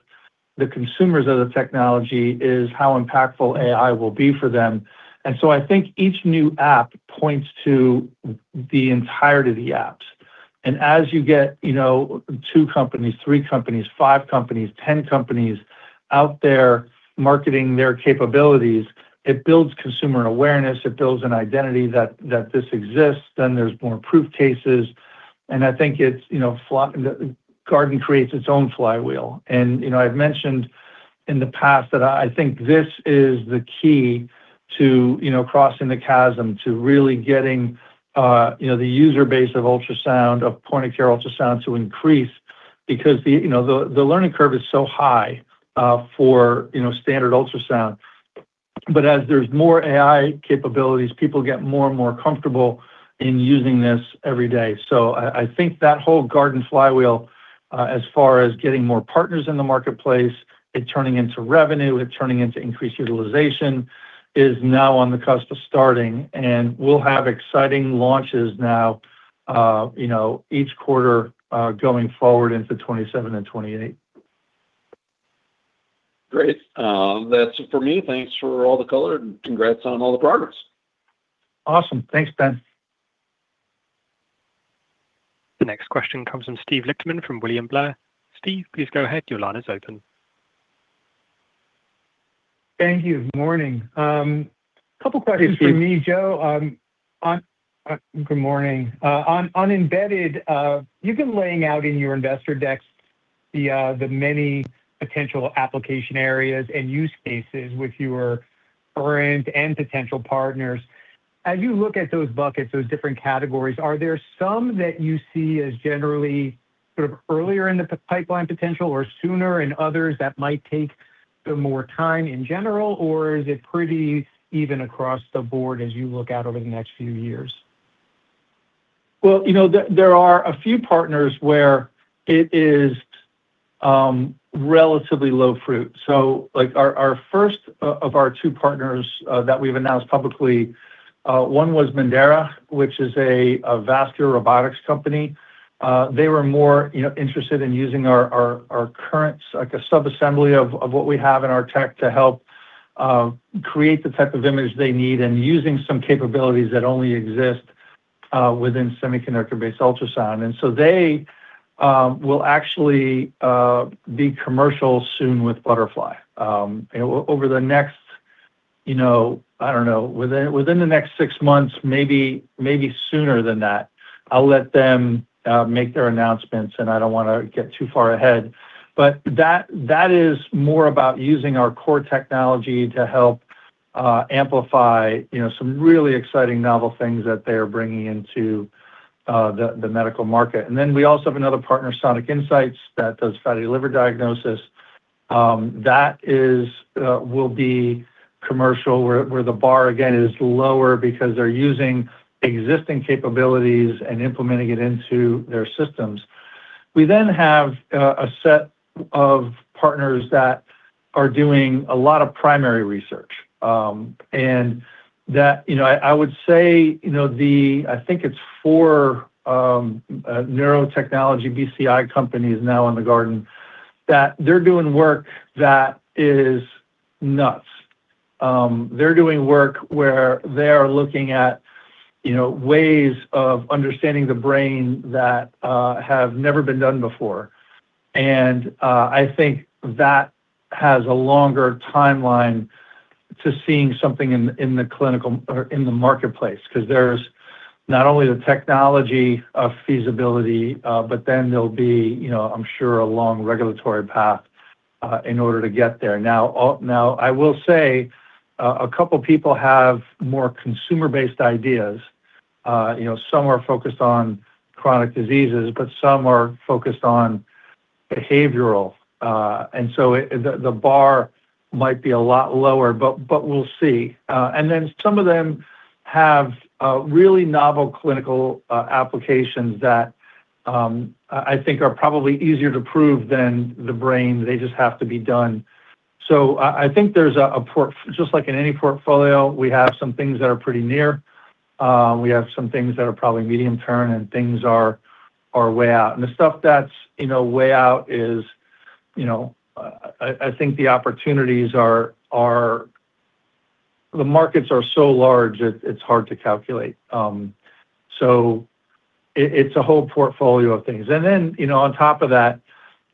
the consumers of the technology is how impactful AI will be for them. I think each new app points to the entirety of the apps. As you get two companies, three companies, five companies, 10 companies out there marketing their capabilities, it builds consumer awareness. It builds an identity that this exists, then there's more proof cases, and I think Garden creates its own flywheel. I've mentioned in the past that I think this is the key to crossing the chasm, to really getting the user base of ultrasound, of point-of-care ultrasound to increase because the learning curve is so high for standard ultrasound. As there's more AI capabilities, people get more and more comfortable in using this every day. I think that whole Butterfly Garden flywheel as far as getting more partners in the marketplace, it turning into revenue, it turning into increased utilization, is now on the cusp of starting, and we'll have exciting launches now each quarter going forward into 2027 and 2028. That's it for me. Thanks for all the color, and congrats on all the progress. Thanks, Ben. The next question comes from Steve Lichtman from William Blair. Steve, please go ahead. Your line is open. Thank you. Morning. Hey, Steve. Couple questions for me, Joe. Good morning. On Embedded, you've been laying out in your investor decks the many potential application areas and use cases with your current and potential partners. As you look at those buckets, those different categories, are there some that you see as generally Sort of earlier in the pipeline potential or sooner in others that might take more time in general, or is it pretty even across the board as you look out over the next few years? Well, there are a few partners where it is relatively low-hanging fruit. Our first of our two partners that we've announced publicly, one was Mendaera, which is a vascular robotics company. They were more interested in using our current sub-assembly of what we have in our tech to help create the type of image they need and using some capabilities that only exist within semiconductor-based ultrasound. They will actually be commercial soon with Butterfly. Over the next, I don't know, within the next six months, maybe sooner than that. I'll let them make their announcements, I don't want to get too far ahead. That is more about using our core technology to help amplify some really exciting novel things that they are bringing into the medical market. We also have another partner, Sonic Incytes, that does fatty liver diagnosis. That will be commercial, where the bar, again, is lower because they're using existing capabilities and implementing it into their systems. We have a set of partners that are doing a lot of primary research. I would say, I think it's four neurotechnology BCI companies now in the Garden, that they're doing work that is nuts. They're doing work where they are looking at ways of understanding the brain that have never been done before. I think that has a longer timeline to seeing something in the marketplace. Because there's not only the technology of feasibility, there'll be, I'm sure, a long regulatory path in order to get there. Now, I will say a couple of people have more consumer-based ideas. Some are focused on chronic diseases, but some are focused on behavioral. The bar might be a lot lower, but we'll see. Some of them have really novel clinical applications that I think are probably easier to prove than the brain. They just have to be done. I think just like in any portfolio, we have some things that are pretty near, we have some things that are probably medium-term, and things are way out. The stuff that's way out is, I think the opportunities are the markets are so large, it's hard to calculate. It's a whole portfolio of things. On top of that,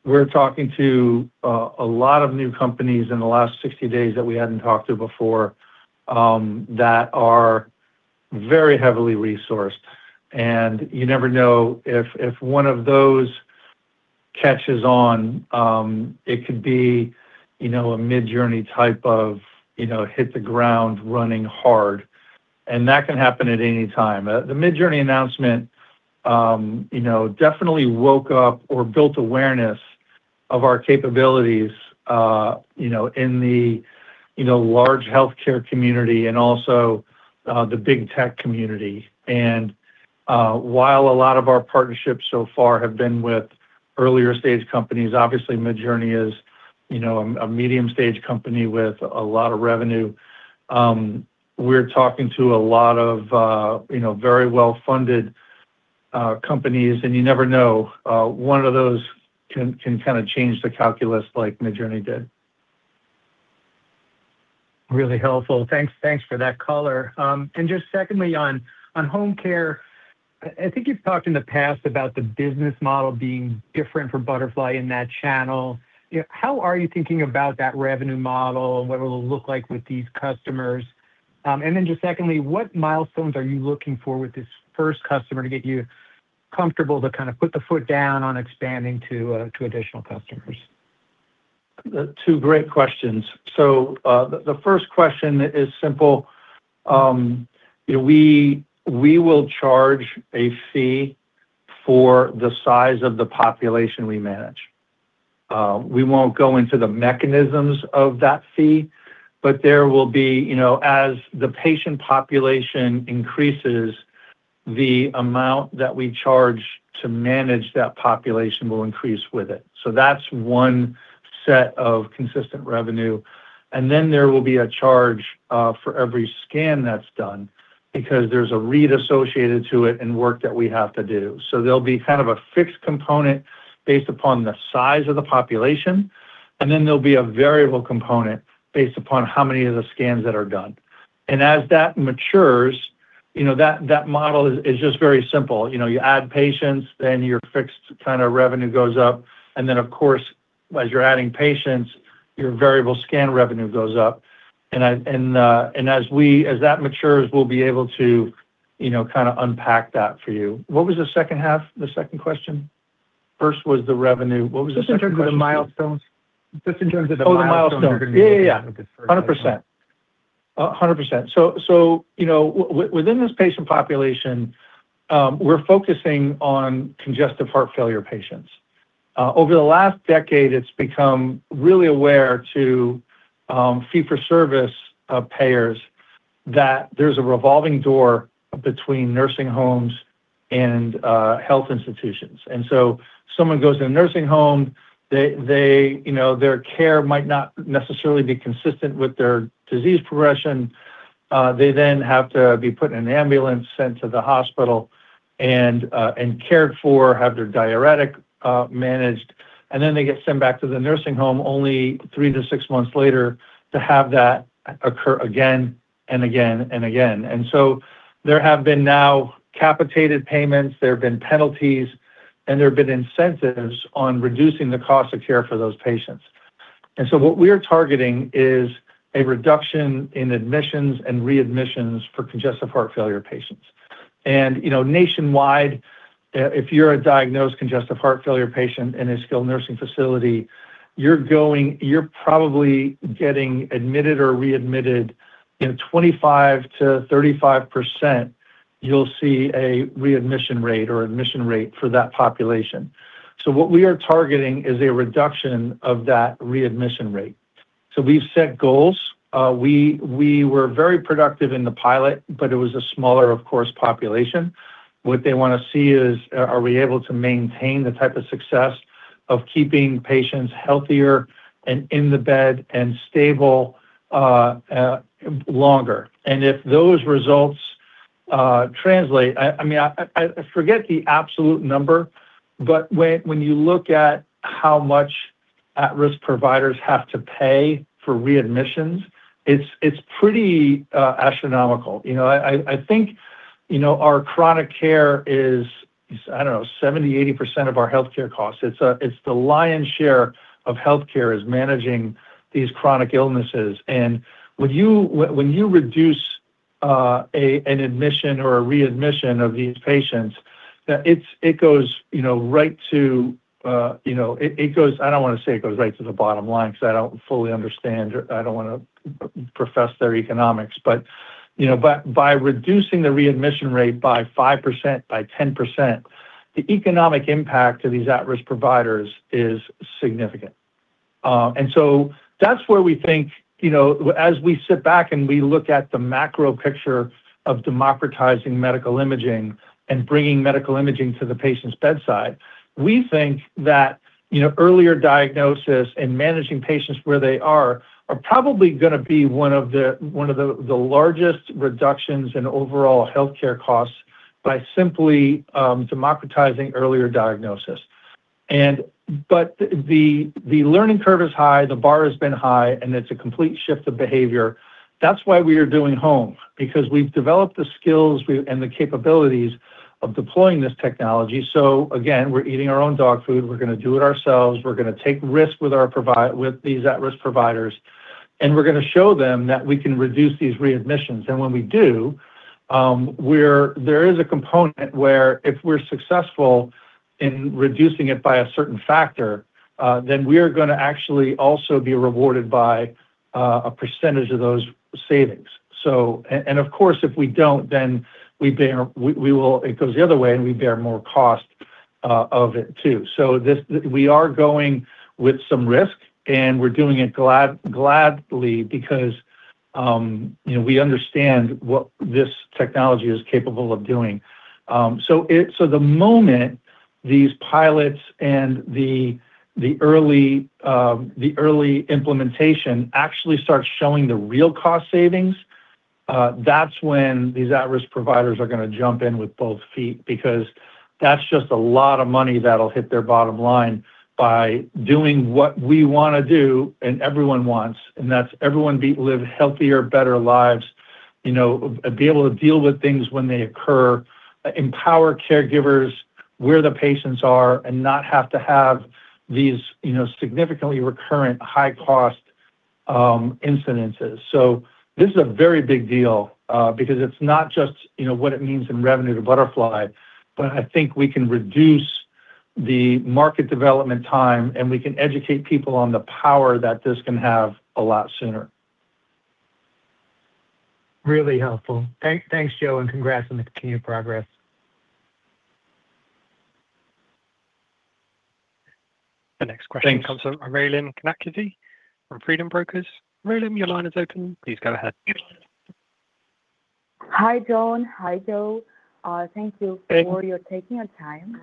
we're talking to a lot of new companies in the last 60 days that we hadn't talked to before, that are very heavily resourced. You never know if one of those catches on, it could be a Midjourney type of hit the ground running hard, and that can happen at any time. The Midjourney announcement definitely woke up or built awareness of our capabilities in the large healthcare community and also the big tech community. While a lot of our partnerships so far have been with earlier stage companies, obviously Midjourney is a medium stage company with a lot of revenue. We're talking to a lot of very well-funded companies, you never know, one of those can kind of change the calculus like Midjourney did. Really helpful. Thanks for that color. Just secondly, on home care, I think you've talked in the past about the business model being different for Butterfly in that channel. How are you thinking about that revenue model and what it'll look like with these customers? Just secondly, what milestones are you looking for with this first customer to get you comfortable to kind of put the foot down on expanding to additional customers? Two great questions. The first question is simple. We will charge a fee for the size of the population we manage. We won't go into the mechanisms of that fee, but as the patient population increases, the amount that we charge to manage that population will increase with it. That's one set of consistent revenue. There will be a charge for every scan that's done, because there's a read associated to it and work that we have to do. There'll be kind of a fixed component based upon the size of the population, and then there'll be a variable component based upon how many of the scans that are done. As that matures, that model is just very simple. You add patients, your fixed kind of revenue goes up. Of course, as you're adding patients, your variable scan revenue goes up. As that matures, we'll be able to kind of unpack that for you. What was the second half, the second question? First was the revenue. What was the second question? Just in terms of the milestones. 100%. 100%. Within this patient population, we're focusing on congestive heart failure patients. Over the last decade, it's become really aware to fee-for-service payers that there's a revolving door between nursing homes and health institutions. Someone goes in a nursing home, their care might not necessarily be consistent with their disease progression. They then have to be put in an ambulance, sent to the hospital, and cared for, have their diuretic managed, and then they get sent back to the nursing home only three to six months later to have that occur again and again and again. There have been now capitated payments, there have been penalties, and there have been incentives on reducing the cost of care for those patients. What we are targeting is a reduction in admissions and readmissions for congestive heart failure patients. Nationwide, if you're a diagnosed congestive heart failure patient in a skilled nursing facility, you're probably getting admitted or readmitted in 25%-35%, you'll see a readmission rate or admission rate for that population. What we are targeting is a reduction of that readmission rate. We've set goals. We were very productive in the pilot, but it was a smaller, of course, population. What they want to see is, are we able to maintain the type of success of keeping patients healthier and in the bed and stable longer? If those results translate, I forget the absolute number, but when you look at how much at-risk providers have to pay for readmissions, it's pretty astronomical. I think our chronic care is, I don't know, 70%-80% of our healthcare costs. It's the lion's share of healthcare is managing these chronic illnesses. When you reduce an admission or a readmission of these patients, I don't want to say it goes right to the bottom line because I don't fully understand, I don't want to profess their economics, but by reducing the readmission rate by 5%-10%, the economic impact to these at-risk providers is significant. That's where we think, as we sit back and we look at the macro picture of democratizing medical imaging and bringing medical imaging to the patient's bedside, we think that earlier diagnosis and managing patients where they are probably going to be one of the largest reductions in overall healthcare costs by simply democratizing earlier diagnosis. The learning curve is high, the bar has been high, and it's a complete shift of behavior. That's why we are doing home, because we've developed the skills and the capabilities of deploying this technology. Again, we're eating our own dog food. We're going to do it ourselves. We're going to take risks with these at-risk providers, and we're going to show them that we can reduce these readmissions. When we do, there is a component where if we're successful in reducing it by a certain factor, then we are going to actually also be rewarded by a percentage of those savings. Of course, if we don't, then it goes the other way, and we bear more cost of it too. We are going with some risk, and we're doing it gladly because we understand what this technology is capable of doing. The moment these pilots and the early implementation actually starts showing the real cost savings, that's when these at-risk providers are going to jump in with both feet because that's just a lot of money that'll hit their bottom line by doing what we want to do and everyone wants. That's everyone live healthier, better lives, be able to deal with things when they occur, empower caregivers where the patients are, and not have to have these significantly recurrent high-cost incidences. This is a very big deal, because it's not just what it means in revenue to Butterfly, but I think we can reduce the market development time, and we can educate people on the power that this can have a lot sooner. Really helpful. Thanks, Joe, congrats on the continued progress. The next question comes from [Raylin Konakuty] from Freedom Brokers. [Raylin], your line is open. Please go ahead. Hi, John. Hi, Joe. Thank you for your taking of time.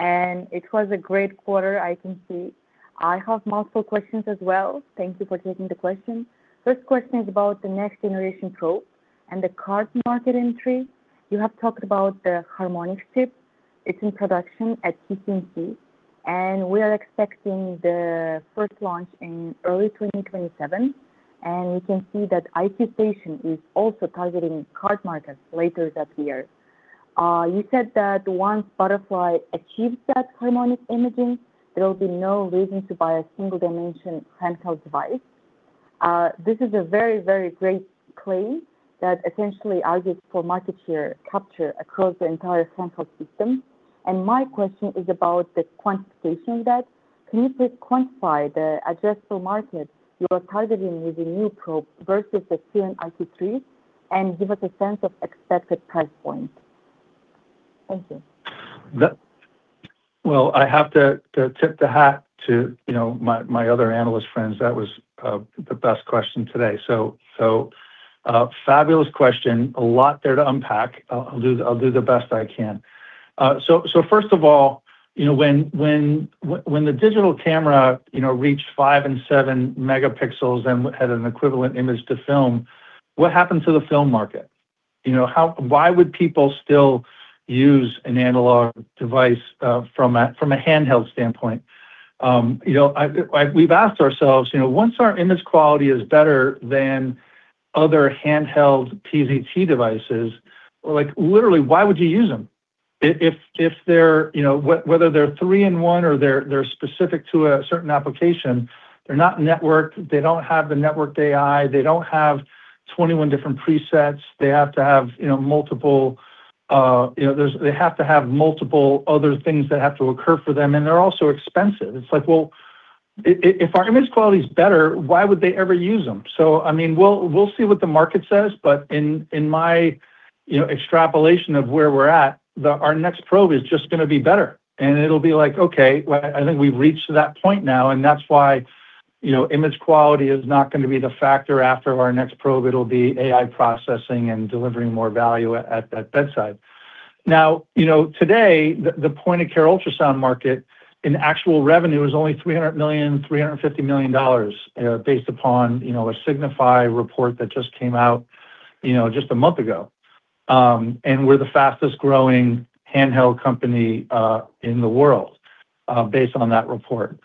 It was a great quarter, I can see. I have multiple questions as well. Thank you for taking the question. First question is about the next generation probe and the cart market entry. You have talked about the harmonics chip. It's in production at TSMC. We are expecting the first launch in early 2027. We can see that iQ Station is also targeting cart markets later that year. You said that once Butterfly achieves that harmonic imaging, there will be no reason to buy a single-dimension handheld device. This is a very, very great claim that essentially argues for market share capture across the entire central system. My question is about the quantification of that. Can you please quantify the addressable market you are targeting with the new probe versus the current iQ3, and give us a sense of expected price point? Thank you. Well, I have to tip the hat to my other analyst friends. That was the best question today. Fabulous question. A lot there to unpack. I'll do the best that I can. First of all, when the digital camera reached five and seven megapixels and had an equivalent image to film, what happened to the film market? Why would people still use an analog device from a handheld standpoint? We've asked ourselves, once our image quality is better than other handheld PZT devices, literally, why would you use them? Whether they're three-in-one or they're specific to a certain application, they're not networked, they don't have the networked AI, they don't have 21 different presets. They have to have multiple other things that have to occur for them. They're also expensive. It's like, well, if our image quality's better, why would they ever use them? We'll see what the market says, but in my extrapolation of where we're at, our next probe is just going to be better. It'll be like, okay, I think we've reached that point now, and that's why image quality is not going to be the factor after our next probe. It'll be AI processing and delivering more value at that bedside. Today, the point-of-care ultrasound market in actual revenue is only $300 million-$350 million based upon a Signify report that just came out just a month ago. We're the fastest-growing handheld company in the world based on that report.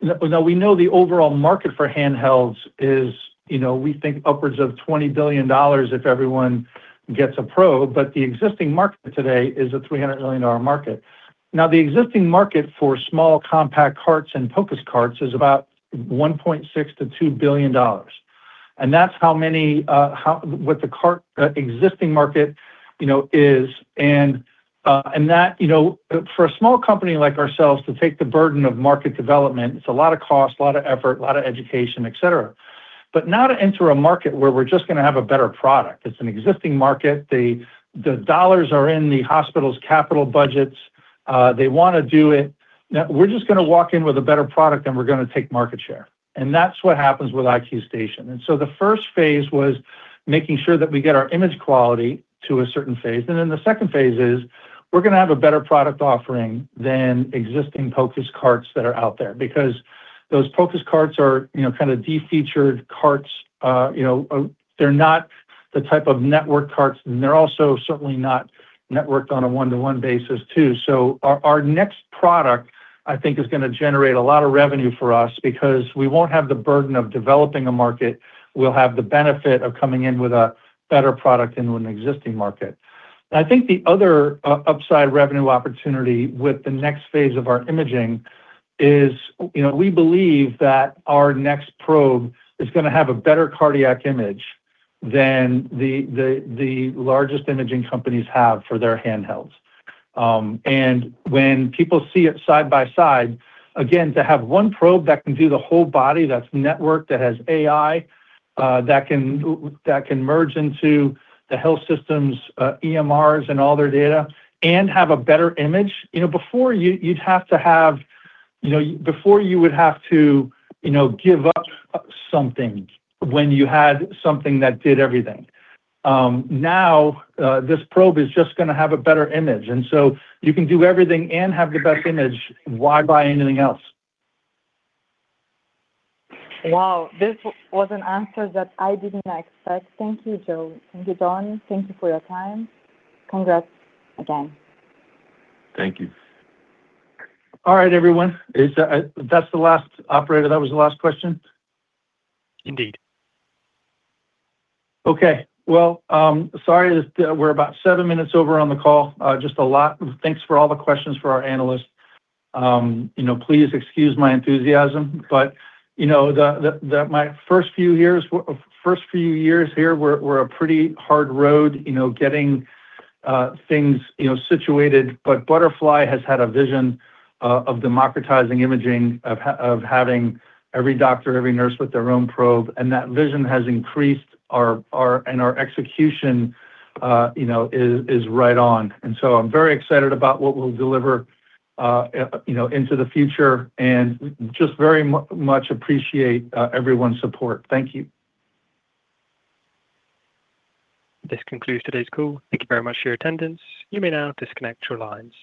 Now we know the overall market for handhelds is we think upwards of $20 billion if everyone gets a probe, but the existing market today is a $300 million market. Now, the existing market for small compact carts and POCUS carts is about $1.6 billion-$2 billion. That's what the existing market is. For a small company like ourselves to take the burden of market development, it's a lot of cost, a lot of effort, a lot of education, et cetera. Now to enter a market where we're just going to have a better product. It's an existing market. The dollars are in the hospital's capital budgets. They want to do it. We're just going to walk in with a better product, and we're going to take market share. That's what happens with iQ Station. The first phase was making sure that we get our image quality to a certain phase. Then the second phase is we're going to have a better product offering than existing POCUS carts that are out there. Those POCUS carts are kind of de-featured carts. They're not the type of network carts, and they're also certainly not networked on a one-to-one basis, too. Our next product, I think, is going to generate a lot of revenue for us because we won't have the burden of developing a market. We'll have the benefit of coming in with a better product into an existing market. I think the other upside revenue opportunity with the next phase of our imaging is we believe that our next probe is going to have a better cardiac image than the largest imaging companies have for their handhelds. When people see it side by side, again, to have one probe that can do the whole body, that's networked, that has AI, that can merge into the health system's EMRs and all their data, and have a better image. Before, you would have to give up something when you had something that did everything. Now, this probe is just going to have a better image, you can do everything and have the best image. Why buy anything else? This was an answer that I didn't expect. Thank you, Joe. Thank you, John. Thank you for your time. Congrats again. Thank you. All right, everyone. Operator, that was the last question? Indeed. Well, sorry, we're about seven minutes over on the call. Just a lot. Thanks for all the questions for our analysts. Please excuse my enthusiasm, but my first few years here were a pretty hard road getting things situated. Butterfly has had a vision of democratizing imaging, of having every doctor, every nurse with their own probe, and that vision has increased, and our execution is right on. I'm very excited about what we'll deliver into the future and just very much appreciate everyone's support. Thank you. This concludes today's call. Thank you very much for your attendance. You may now disconnect your lines.